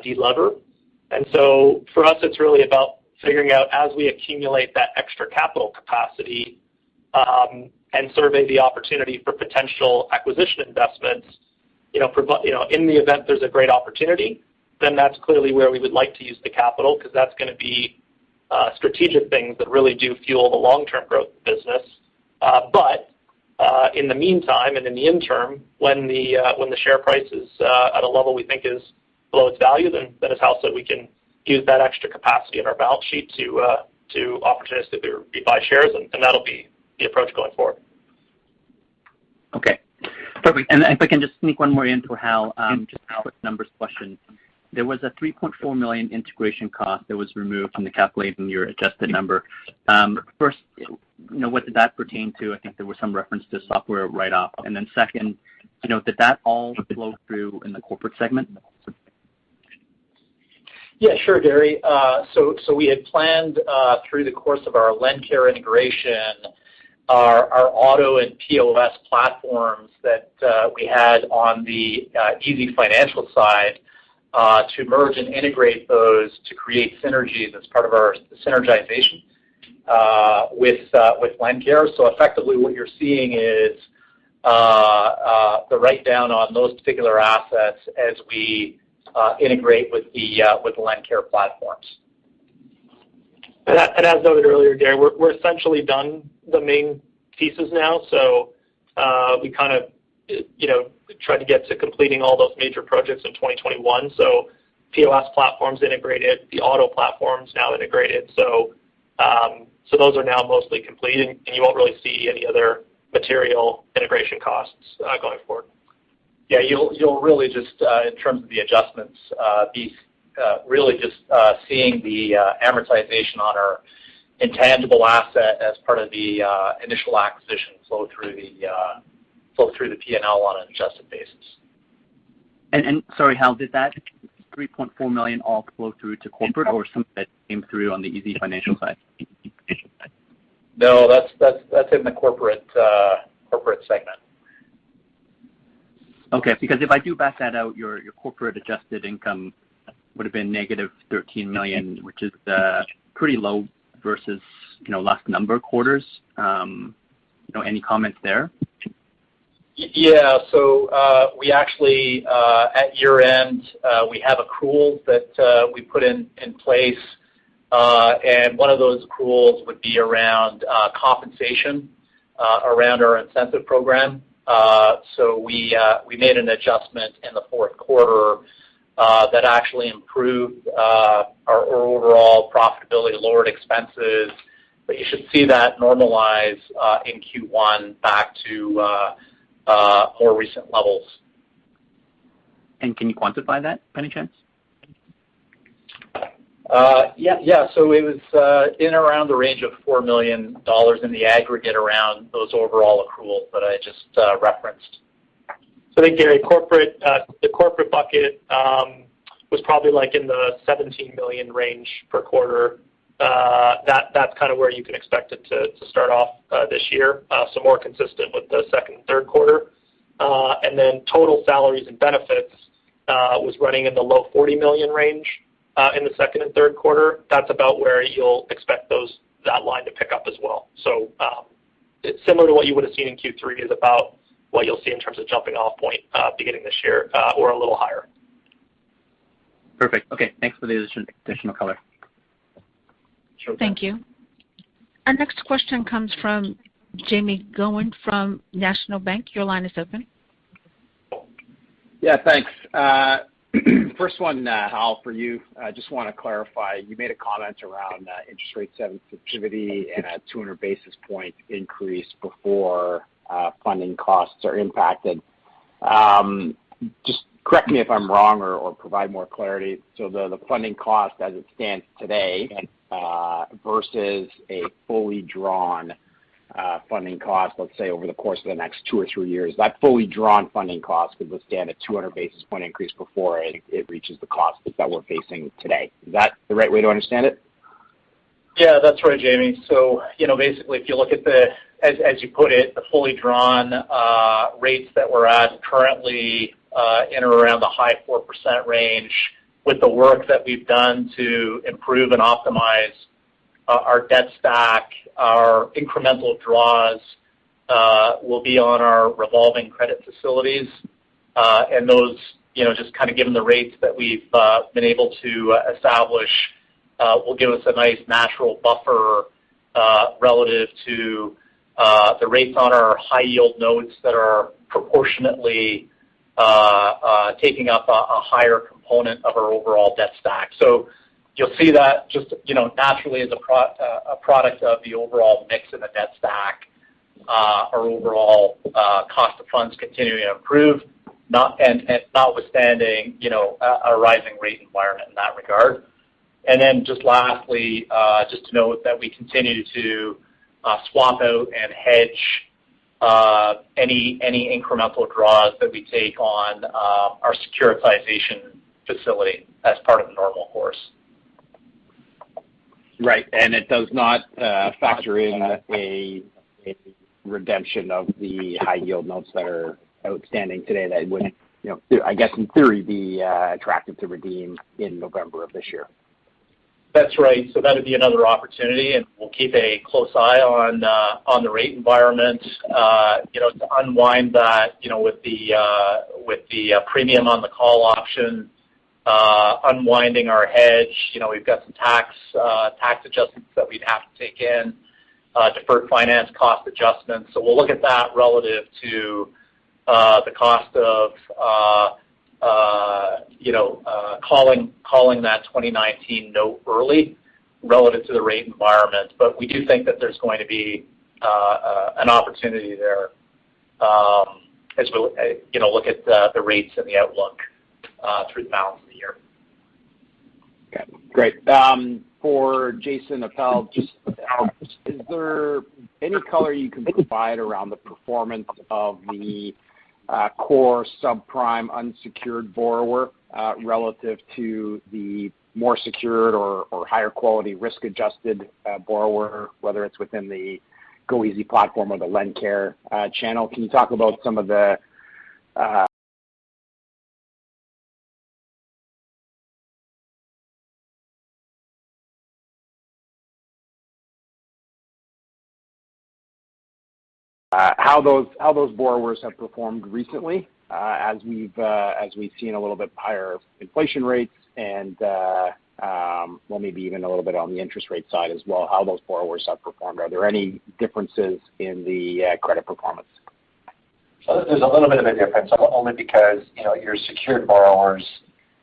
delever. For us, it's really about figuring out as we accumulate that extra capital capacity, and survey the opportunity for potential acquisition investments, you know, in the event there's a great opportunity, then that's clearly where we would like to use the capital because that's gonna be strategic things that really do fuel the long-term growth of the business. In the meantime and in the interim, when the share price is at a level we think is below its value, then as Hal said, we can use that extra capacity in our balance sheet to opportunistically re-buy shares, and that'll be the approach going forward. Okay. Perfect. If I can just sneak one more in for Hal. Sure. Just a numbers question. There was a 3.4 million integration cost that was removed from the calculation of your adjusted number. First, you know, what did that pertain to? I think there was some reference to software write-off. Then second, you know, did that all flow through in the corporate segment? Yeah, sure, Gary. We had planned through the course of our LendCare integration, our auto and POS platforms that we had on the easyfinancial side to merge and integrate those to create synergies as part of our synergization with LendCare. Effectively, what you're seeing is the write-down on those particular assets as we integrate with the LendCare platforms. As noted earlier, Gary, we're essentially done the main pieces now. We kind of, you know, tried to get to completing all those major projects in 2021. POS platform's integrated, the auto platform's now integrated. Those are now mostly complete, and you won't really see any other material integration costs going forward. Yeah, you'll really just, in terms of the adjustments, really just seeing the amortization on our intangible asset as part of the initial acquisition flow through the P&L on an adjusted basis. Sorry, Hal, did that 3.4 million all flow through to corporate or some of it came through on the easyfinancial side? No, that's in the corporate segment. Okay. Because if I do back that out, your corporate adjusted income would have been negative 13 million, which is pretty low versus, you know, last number of quarters. You know, any comments there? Yeah, we actually at year-end we have accruals that we put in place. One of those accruals would be around compensation around our incentive program. We made an adjustment in the fourth quarter that actually improved our overall profitability, lowered expenses. You should see that normalize in Q1 back to more recent levels. Can you quantify that by any chance? It was in around the range of 4 million dollars in the aggregate around those overall accruals that I just referenced. I think, Gary, the corporate bucket was probably like in the 17 million range per quarter. That's kind of where you can expect it to start off this year, more consistent with the second and third quarter. Total salaries and benefits was running in the low 40 million range in the second and third quarter. That's about where you'll expect that line to pick up as well. Similar to what you would have seen in Q3 is about what you'll see in terms of jumping off point beginning this year, or a little higher. Perfect. Okay. Thanks for the additional color. Sure. Thank you. Our next question comes from Jaeme Gloyn from National Bank. Your line is open. Yeah. Thanks. First one, Hal, for you. I just wanna clarify. You made a comment around interest rate sensitivity and a 200 basis point increase before funding costs are impacted. Just correct me if I'm wrong or provide more clarity. The funding cost as it stands today versus a fully drawn funding cost, let's say over the course of the next two or three years, that fully drawn funding cost would withstand a 200 basis point increase before it reaches the cost that we're facing today. Is that the right way to understand it? Yeah, that's right, Jaeme. You know, basically, if you look at the, as you put it, the fully drawn rates that we're at currently in or around the high 4% range with the work that we've done to improve and optimize our debt stack, our incremental draws will be on our revolving credit facilities. Those, you know, just kind of given the rates that we've been able to establish, will give us a nice natural buffer relative to the rates on our high-yield notes that are proportionately taking up a higher component of our overall debt stack. You'll see that just, you know, naturally as a product of the overall mix in the debt stack, our overall cost of funds continuing to improve. notwithstanding, you know, a rising rate environment in that regard. Just lastly, just to note that we continue to swap out and hedge any incremental draws that we take on our securitization facility as part of the normal course. Right. It does not factor in a redemption of the high-yield notes that are outstanding today that would, you know, I guess, in theory, be attractive to redeem in November of this year. That's right. That'd be another opportunity, and we'll keep a close eye on the rate environment. You know, to unwind that, you know, with the premium on the call option, unwinding our hedge. You know, we've got some tax adjustments that we'd have to take in, deferred financing cost adjustments. We'll look at that relative to the cost of calling that 2019 note early relative to the rate environment. We do think that there's going to be an opportunity there, as we'll look at the rates and the outlook through the balance of the year. Okay. Great. For Jason Appel, just, is there any color you can provide around the performance of the core subprime unsecured borrower relative to the more secured or higher quality risk-adjusted borrower, whether it's within the goeasy platform or the LendCare channel? Can you talk about some of the how those borrowers have performed recently, as we've seen a little bit higher inflation rates and, well, maybe even a little bit on the interest rate side as well, how those borrowers have performed. Are there any differences in the credit performance? There's a little bit of a difference, only because, you know, your secured borrowers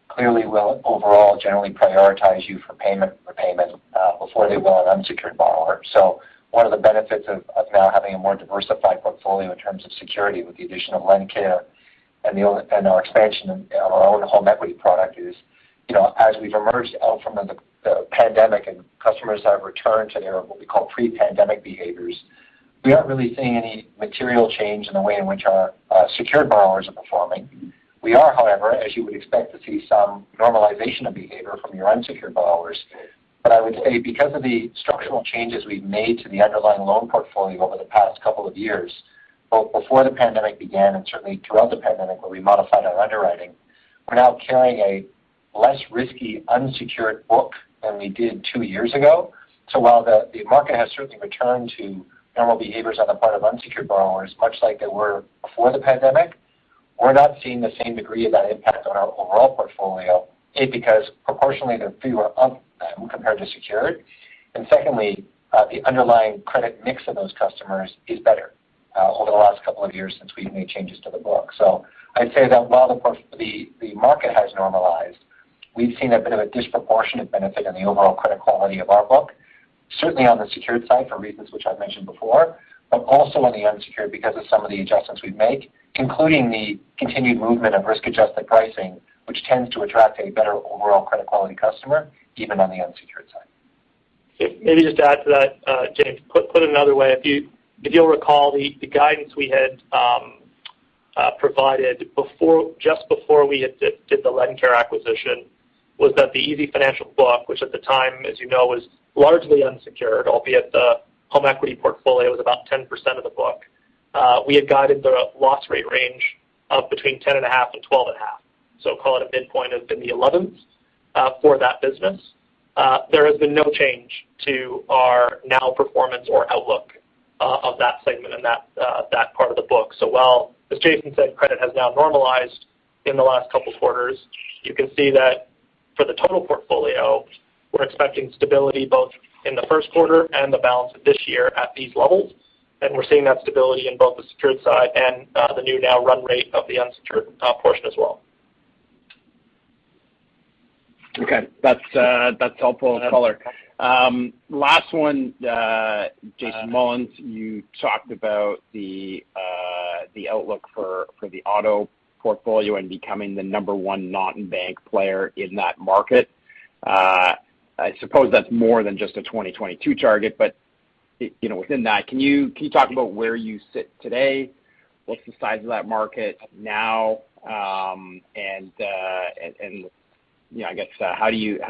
clearly will overall generally prioritize you for payment repayment, before they will an unsecured borrower. One of the benefits of now having a more diversified portfolio in terms of security with the addition of LendCare and our expansion in our own home equity product is, you know, as we've emerged out from the pandemic and customers have returned to their, what we call pre-pandemic behaviors, we aren't really seeing any material change in the way in which our secured borrowers are performing. We are, however, as you would expect to see some normalization of behavior from your unsecured borrowers. I would say because of the structural changes we've made to the underlying loan portfolio over the past couple of years, both before the pandemic began and certainly throughout the pandemic, where we modified our underwriting, we're now carrying a less risky unsecured book than we did two years ago. While the market has certainly returned to normal behaviors on the part of unsecured borrowers, much like they were before the pandemic, we're not seeing the same degree of that impact on our overall portfolio, because proportionally, there are fewer of them compared to secured. Secondly, the underlying credit mix of those customers is better over the last couple of years since we've made changes to the book. I'd say that while the market has normalized, we've seen a bit of a disproportionate benefit in the overall credit quality of our book, certainly on the secured side, for reasons which I've mentioned before, but also on the unsecured because of some of the adjustments we've made, including the continued movement of risk-adjusted pricing, which tends to attract a better overall credit quality customer, even on the unsecured side. Maybe just to add to that, James, put another way, if you'll recall, the guidance we had provided before just before we had did the LendCare acquisition was that the easyfinancial book, which at the time, as you know, was largely unsecured, albeit the home equity portfolio was about 10% of the book, we had guided the loss rate range of between 10.5%-12.5%. So call it a midpoint in the 11s for that business. There has been no change to our known performance or outlook of that segment and that part of the book. While, as Jason said, credit has now normalized in the last couple quarters, you can see that for the total portfolio, we're expecting stability both in the first quarter and the balance of this year at these levels. We're seeing that stability in both the secured side and the new now run rate of the unsecured portion as well. Okay. That's helpful color. Last one, Jason Mullins, you talked about the outlook for the auto portfolio and becoming the number-one not-in-bank player in that market. I suppose that's more than just a 2022 target. You know, within that, can you talk about where you sit today? What's the size of that market now? You know, I guess, how do you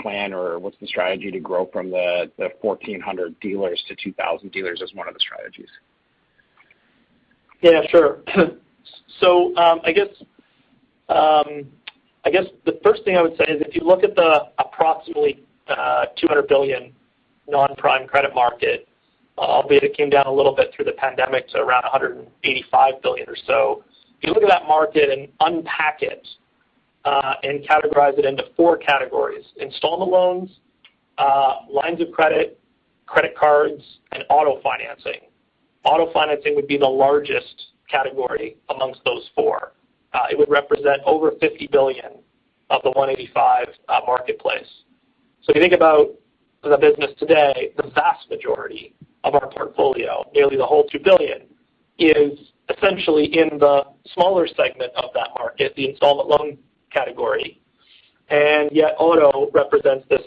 plan or what's the strategy to grow from the 1,400 dealers to 2,000 dealers as one of the strategies? Yeah, sure. I guess the first thing I would say is if you look at the approximately 200 billion non-prime credit market, albeit it came down a little bit through the pandemic to around 185 billion or so, if you look at that market and unpack it. Categorize it into four categories: installment loans, lines of credit cards, and auto financing. Auto financing would be the largest category amongst those four. It would represent over 50 billion of the 185 billion marketplace. If you think about the business today, the vast majority of our portfolio, nearly the whole 2 billion, is essentially in the smaller segment of that market, the installment loan category. Yet auto represents this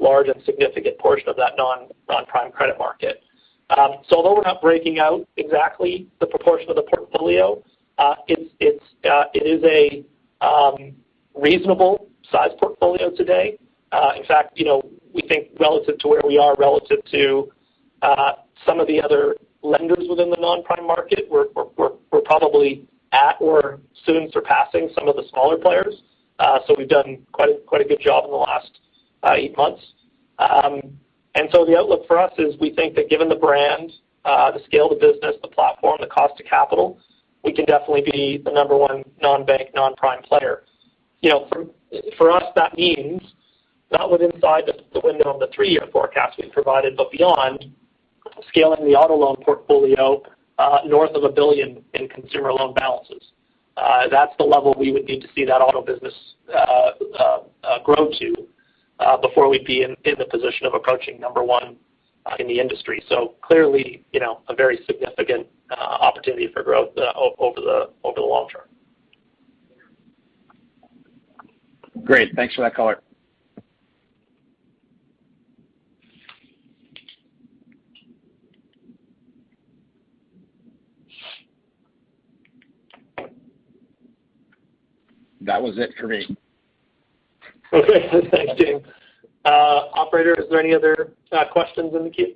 large and significant portion of that non-prime credit market. Although we're not breaking out exactly the proportion of the portfolio, it is a reasonably sized portfolio today. In fact, you know, we think relative to where we are relative to some of the other lenders within the non-prime market, we're probably at or soon surpassing some of the smaller players. We've done quite a good job in the last eight months. The outlook for us is we think that given the brand, the scale of the business, the platform, the cost of capital, we can definitely be the number one non-bank, non-prime player. You know, for us, that means not within sight the window on the three-year forecast we've provided, but beyond scaling the auto loan portfolio north of 1 billion in consumer loan balances. That's the level we would need to see that auto business grow to before we'd be in the position of approaching number one in the industry. So clearly, you know, a very significant opportunity for growth over the long term. Great. Thanks for that color. That was it for me. Okay. Thanks, Jim. Operator, is there any other questions in the queue?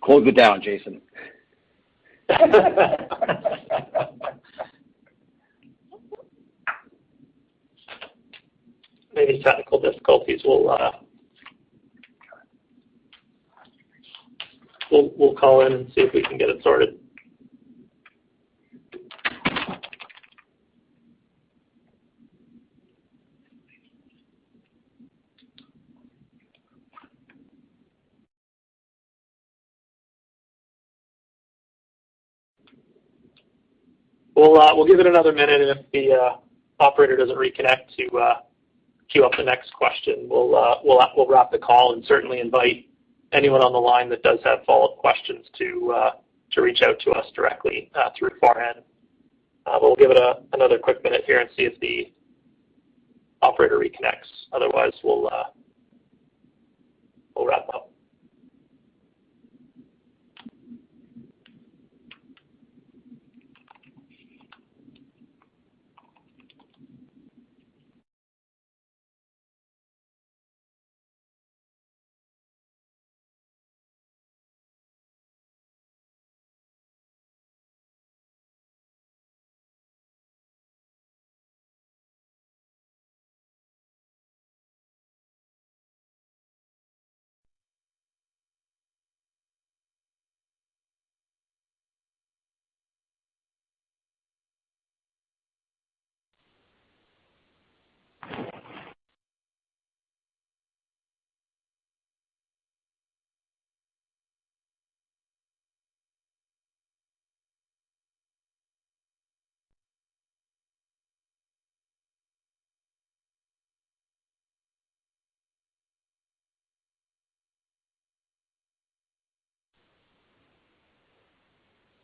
Closing it down, Jason. Maybe technical difficulties. We'll call in and see if we can get it sorted. We'll give it another minute, and if the operator doesn't reconnect to queue up the next question, we'll wrap the call and certainly invite anyone on the line that does have follow-up questions to reach out to us directly through Farhan. We'll give it another quick minute here and see if the operator reconnects. Otherwise, we'll wrap up.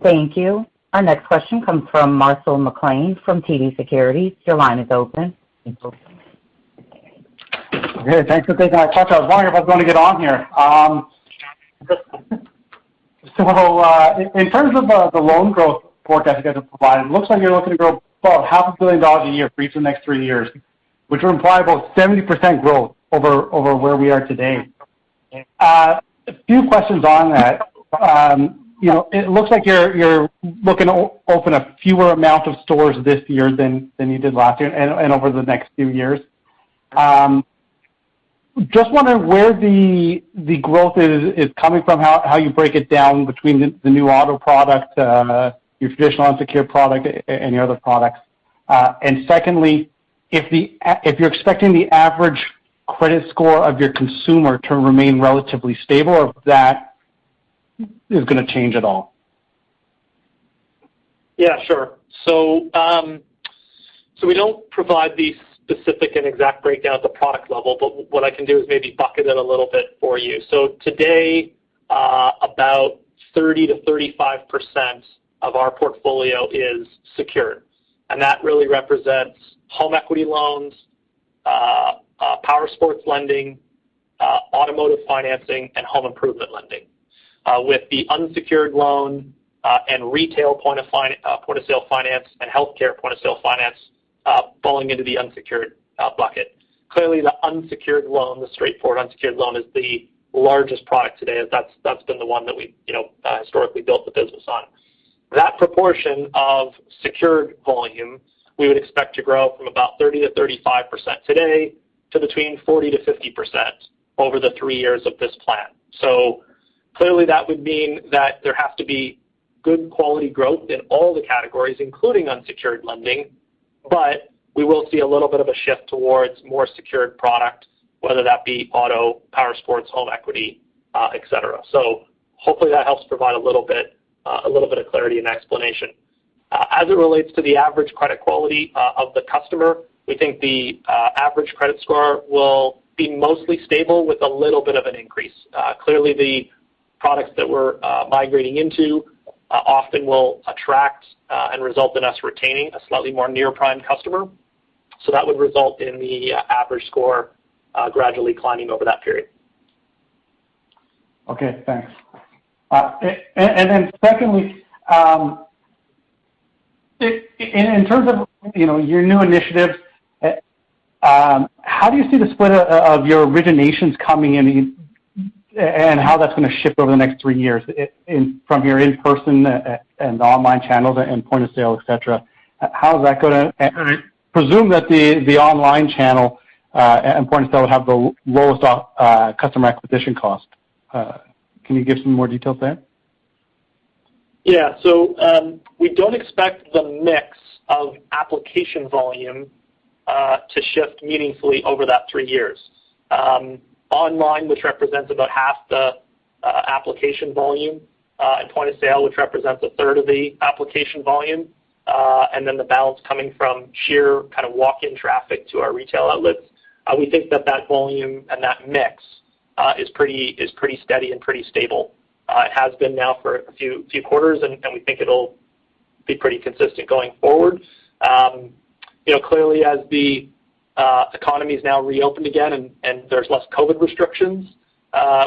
Thank you. Our next question comes from Marcel McLean from TD Securities. Your line is open. Great. Thanks for taking my call. I was wondering if I was gonna get on here. So, in terms of the loan growth forecast you guys have provided, it looks like you're looking to grow about CAD half a billion a year for each of the next three years, which would imply about 70% growth over where we are today. A few questions on that. You know, it looks like you're looking to open a fewer amount of stores this year than you did last year and over the next few years. Just wondering where the growth is coming from, how you break it down between the new auto product, your traditional unsecured product and your other products. Secondly, if you're expecting the average credit score of your consumer to remain relatively stable or if that is gonna change at all? Yeah, sure. We don't provide the specific and exact breakdown at the product level, but what I can do is maybe bucket it a little bit for you. Today, about 30%-35% of our portfolio is secured, and that really represents home equity loans, power sports lending, automotive financing, and home improvement lending. With the unsecured loan, and retail point-of-sale finance and healthcare point-of-sale finance, falling into the unsecured bucket. Clearly, the unsecured loan, the straightforward unsecured loan is the largest product today. That's the one that we've, you know, historically built the business on. That proportion of secured volume we would expect to grow from about 30%-35% today to between 40%-50% over the three years of this plan. Clearly that would mean that there has to be good quality growth in all the categories, including unsecured lending, but we will see a little bit of a shift towards more secured product, whether that be auto, powersports, home equity, et cetera. Hopefully that helps provide a little bit of clarity and explanation. As it relates to the average credit quality of the customer, we think the average credit score will be mostly stable with a little bit of an increase. Clearly, the products that we're migrating into often will attract and result in us retaining a slightly more near-prime customer. That would result in the average score gradually climbing over that period. Okay, thanks. Secondly, in terms of, you know, your new initiatives, how do you see the split of your originations coming in and how that's gonna shift over the next three years from your in-person and online channels and point-of-sale, et cetera? All right. Presume that the online channel and point of sale have the lowest customer acquisition cost. Can you give some more details there? Yeah. We don't expect the mix of application volume to shift meaningfully over that three years. Online, which represents about half the application volume, and point of sale, which represents a third of the application volume, and then the balance coming from sheer kind of walk-in traffic to our retail outlets. We think that volume and that mix is pretty steady and pretty stable. It has been now for a few quarters, and we think it'll be pretty consistent going forward. You know, clearly as the economy is now reopened again and there's less COVID restrictions,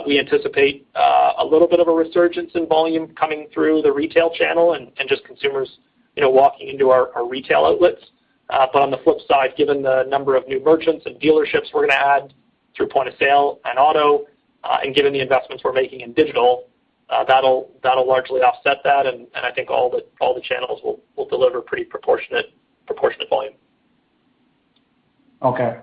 we anticipate a little bit of a resurgence in volume coming through the retail channel and just consumers, you know, walking into our retail outlets. On the flip side, given the number of new merchants and dealerships we're gonna add through point of sale and auto, and given the investments we're making in digital, that'll largely offset that. I think all the channels will deliver pretty proportionate volume. Lastly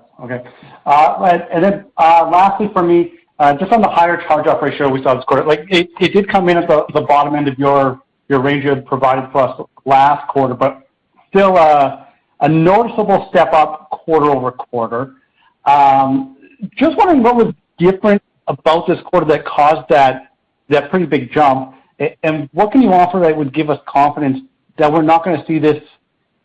for me, just on the higher charge-off ratio we saw this quarter. Like it did come in at the bottom end of your range you had provided for us last quarter, but still a noticeable step up quarter-over-quarter. Just wondering what was different about this quarter that caused that pretty big jump. What can you offer that would give us confidence that we're not gonna see this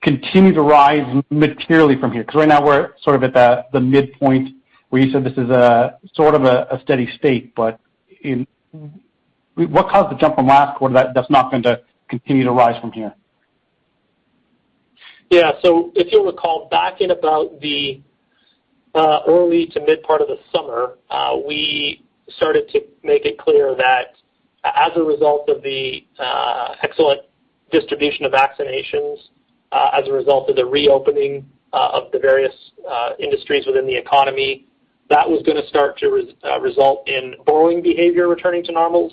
continue to rise materially from here? 'Cause right now we're sort of at the midpoint where you said this is a sort of a steady state. What caused the jump from last quarter that's not going to continue to rise from here? If you'll recall, back in about the early to mid part of the summer, we started to make it clear that as a result of the excellent distribution of vaccinations, as a result of the reopening of the various industries within the economy, that was gonna start to result in borrowing behavior returning to normal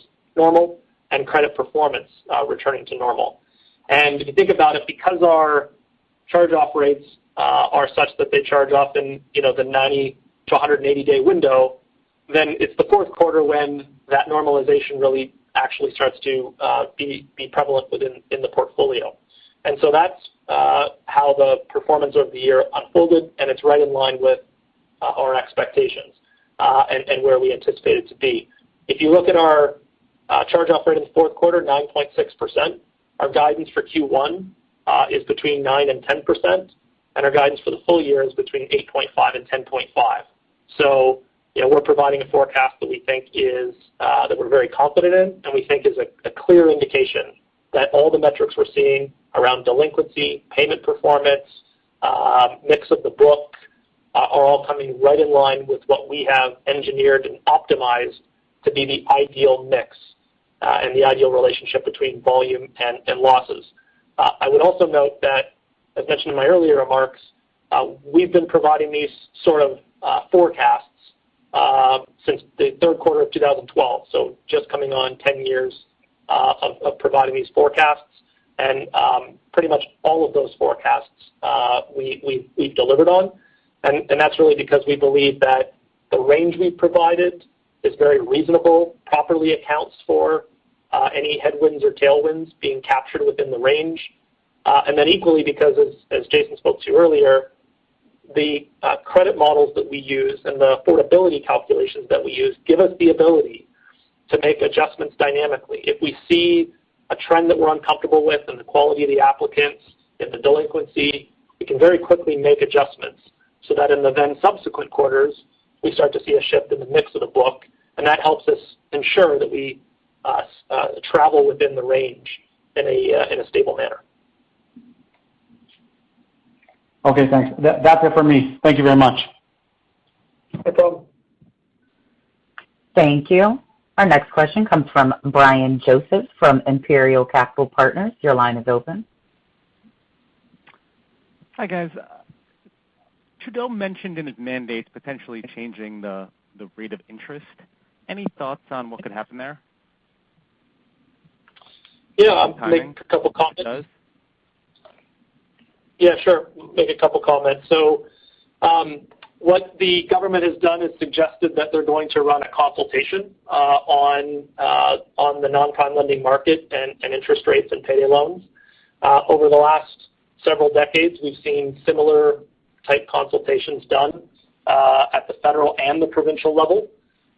and credit performance returning to normal. If you think about it, because our charge-off rates are such that they charge off in, you know, the 90-180 day window, then it's the fourth quarter when that normalization really actually starts to be prevalent in the portfolio. That's how the performance over the year unfolded, and it's right in line with our expectations and where we anticipate it to be. If you look at our charge-off rate in the fourth quarter, 9.6%. Our guidance for Q1 is between 9%-10%, and our guidance for the full year is between 8.5%-10.5%. You know, we're providing a forecast that we think is that we're very confident in and we think is a clear indication that all the metrics we're seeing around delinquency, payment performance, mix of the book are all coming right in line with what we have engineered and optimized to be the ideal mix, and the ideal relationship between volume and losses. I would also note that, as mentioned in my earlier remarks, we've been providing these sort of forecasts since the third quarter of 2012, so just coming on 10 years of providing these forecasts. Pretty much all of those forecasts we've delivered on. That's really because we believe that the range we've provided is very reasonable, properly accounts for any headwinds or tailwinds being captured within the range. Equally because as Jason spoke to earlier, the credit models that we use and the affordability calculations that we use give us the ability to make adjustments dynamically. If we see a trend that we're uncomfortable with in the quality of the applicants, in the delinquency, we can very quickly make adjustments so that in the then subsequent quarters, we start to see a shift in the mix of the book, and that helps us ensure that we travel within the range in a stable manner. Okay, thanks. That's it for me. Thank you very much. No problem. Thank you. Our next question comes from Brian Joseph from Empyrean Capital Partners. Your line is open. Hi, guys. Trudeau mentioned in his mandate potentially changing the rate of interest. Any thoughts on what could happen there? Yeah. Timing if he does. Yeah, sure. Make a couple of comments. What the government has done is suggested that they're going to run a consultation on the non-prime lending market and interest rates and payday loans. Over the last several decades, we've seen similar type consultations done at the federal and the provincial level.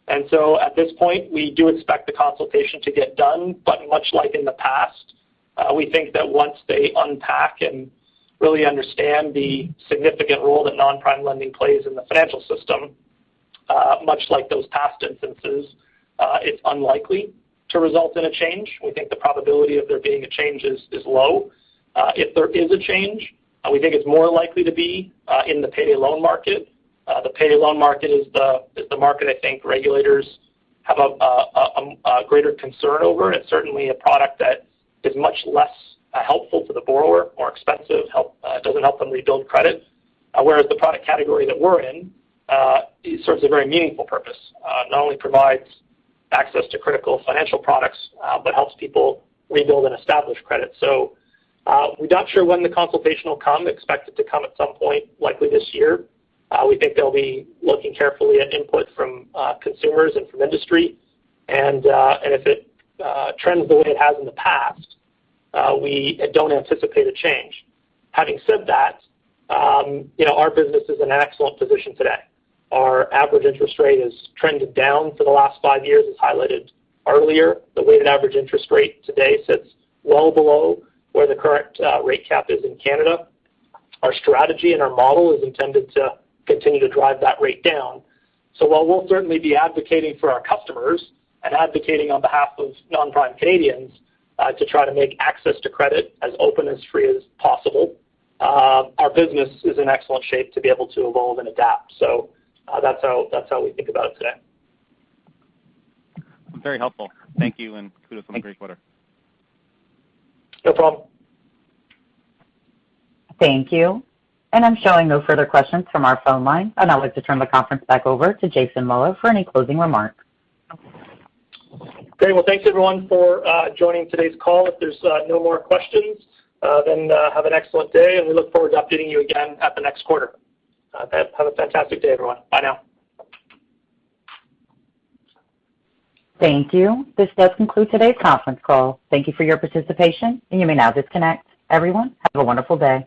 At this point, we do expect the consultation to get done. Much like in the past, we think that once they unpack and really understand the significant role that non-prime lending plays in the financial system, much like those past instances, it's unlikely to result in a change. We think the probability of there being a change is low. If there is a change, we think it's more likely to be in the payday loan market. The payday loan market is the market I think regulators have a greater concern over. It's certainly a product that is much less helpful to the borrower, more expensive, doesn't help them rebuild credit, whereas the product category that we're in serves a very meaningful purpose. Not only provides access to critical financial products, but helps people rebuild and establish credit. We're not sure when the consultation will come. Expect it to come at some point, likely this year. We think they'll be looking carefully at input from consumers and from industry. If it trends the way it has in the past, we don't anticipate a change. Having said that, you know, our business is in an excellent position today. Our average interest rate has trended down for the last five years. As highlighted earlier, the weighted average interest rate today sits well below where the current rate cap is in Canada. Our strategy and our model is intended to continue to drive that rate down. While we'll certainly be advocating for our customers and advocating on behalf of non-prime Canadians to try to make access to credit as open and free as possible, our business is in excellent shape to be able to evolve and adapt. That's how we think about it today. Very helpful. Thank you, and kudos on the great quarter. No problem. Thank you. I'm showing no further questions from our phone line. I'd now like to turn the conference back over to Jason Mullins for any closing remarks. Great. Well, thanks, everyone, for joining today's call. If there's no more questions, then have an excellent day, and we look forward to updating you again at the next quarter. Have a fantastic day, everyone. Bye now. Thank you. This does conclude today's conference call. Thank you for your participation, and you may now disconnect. Everyone, have a wonderful day.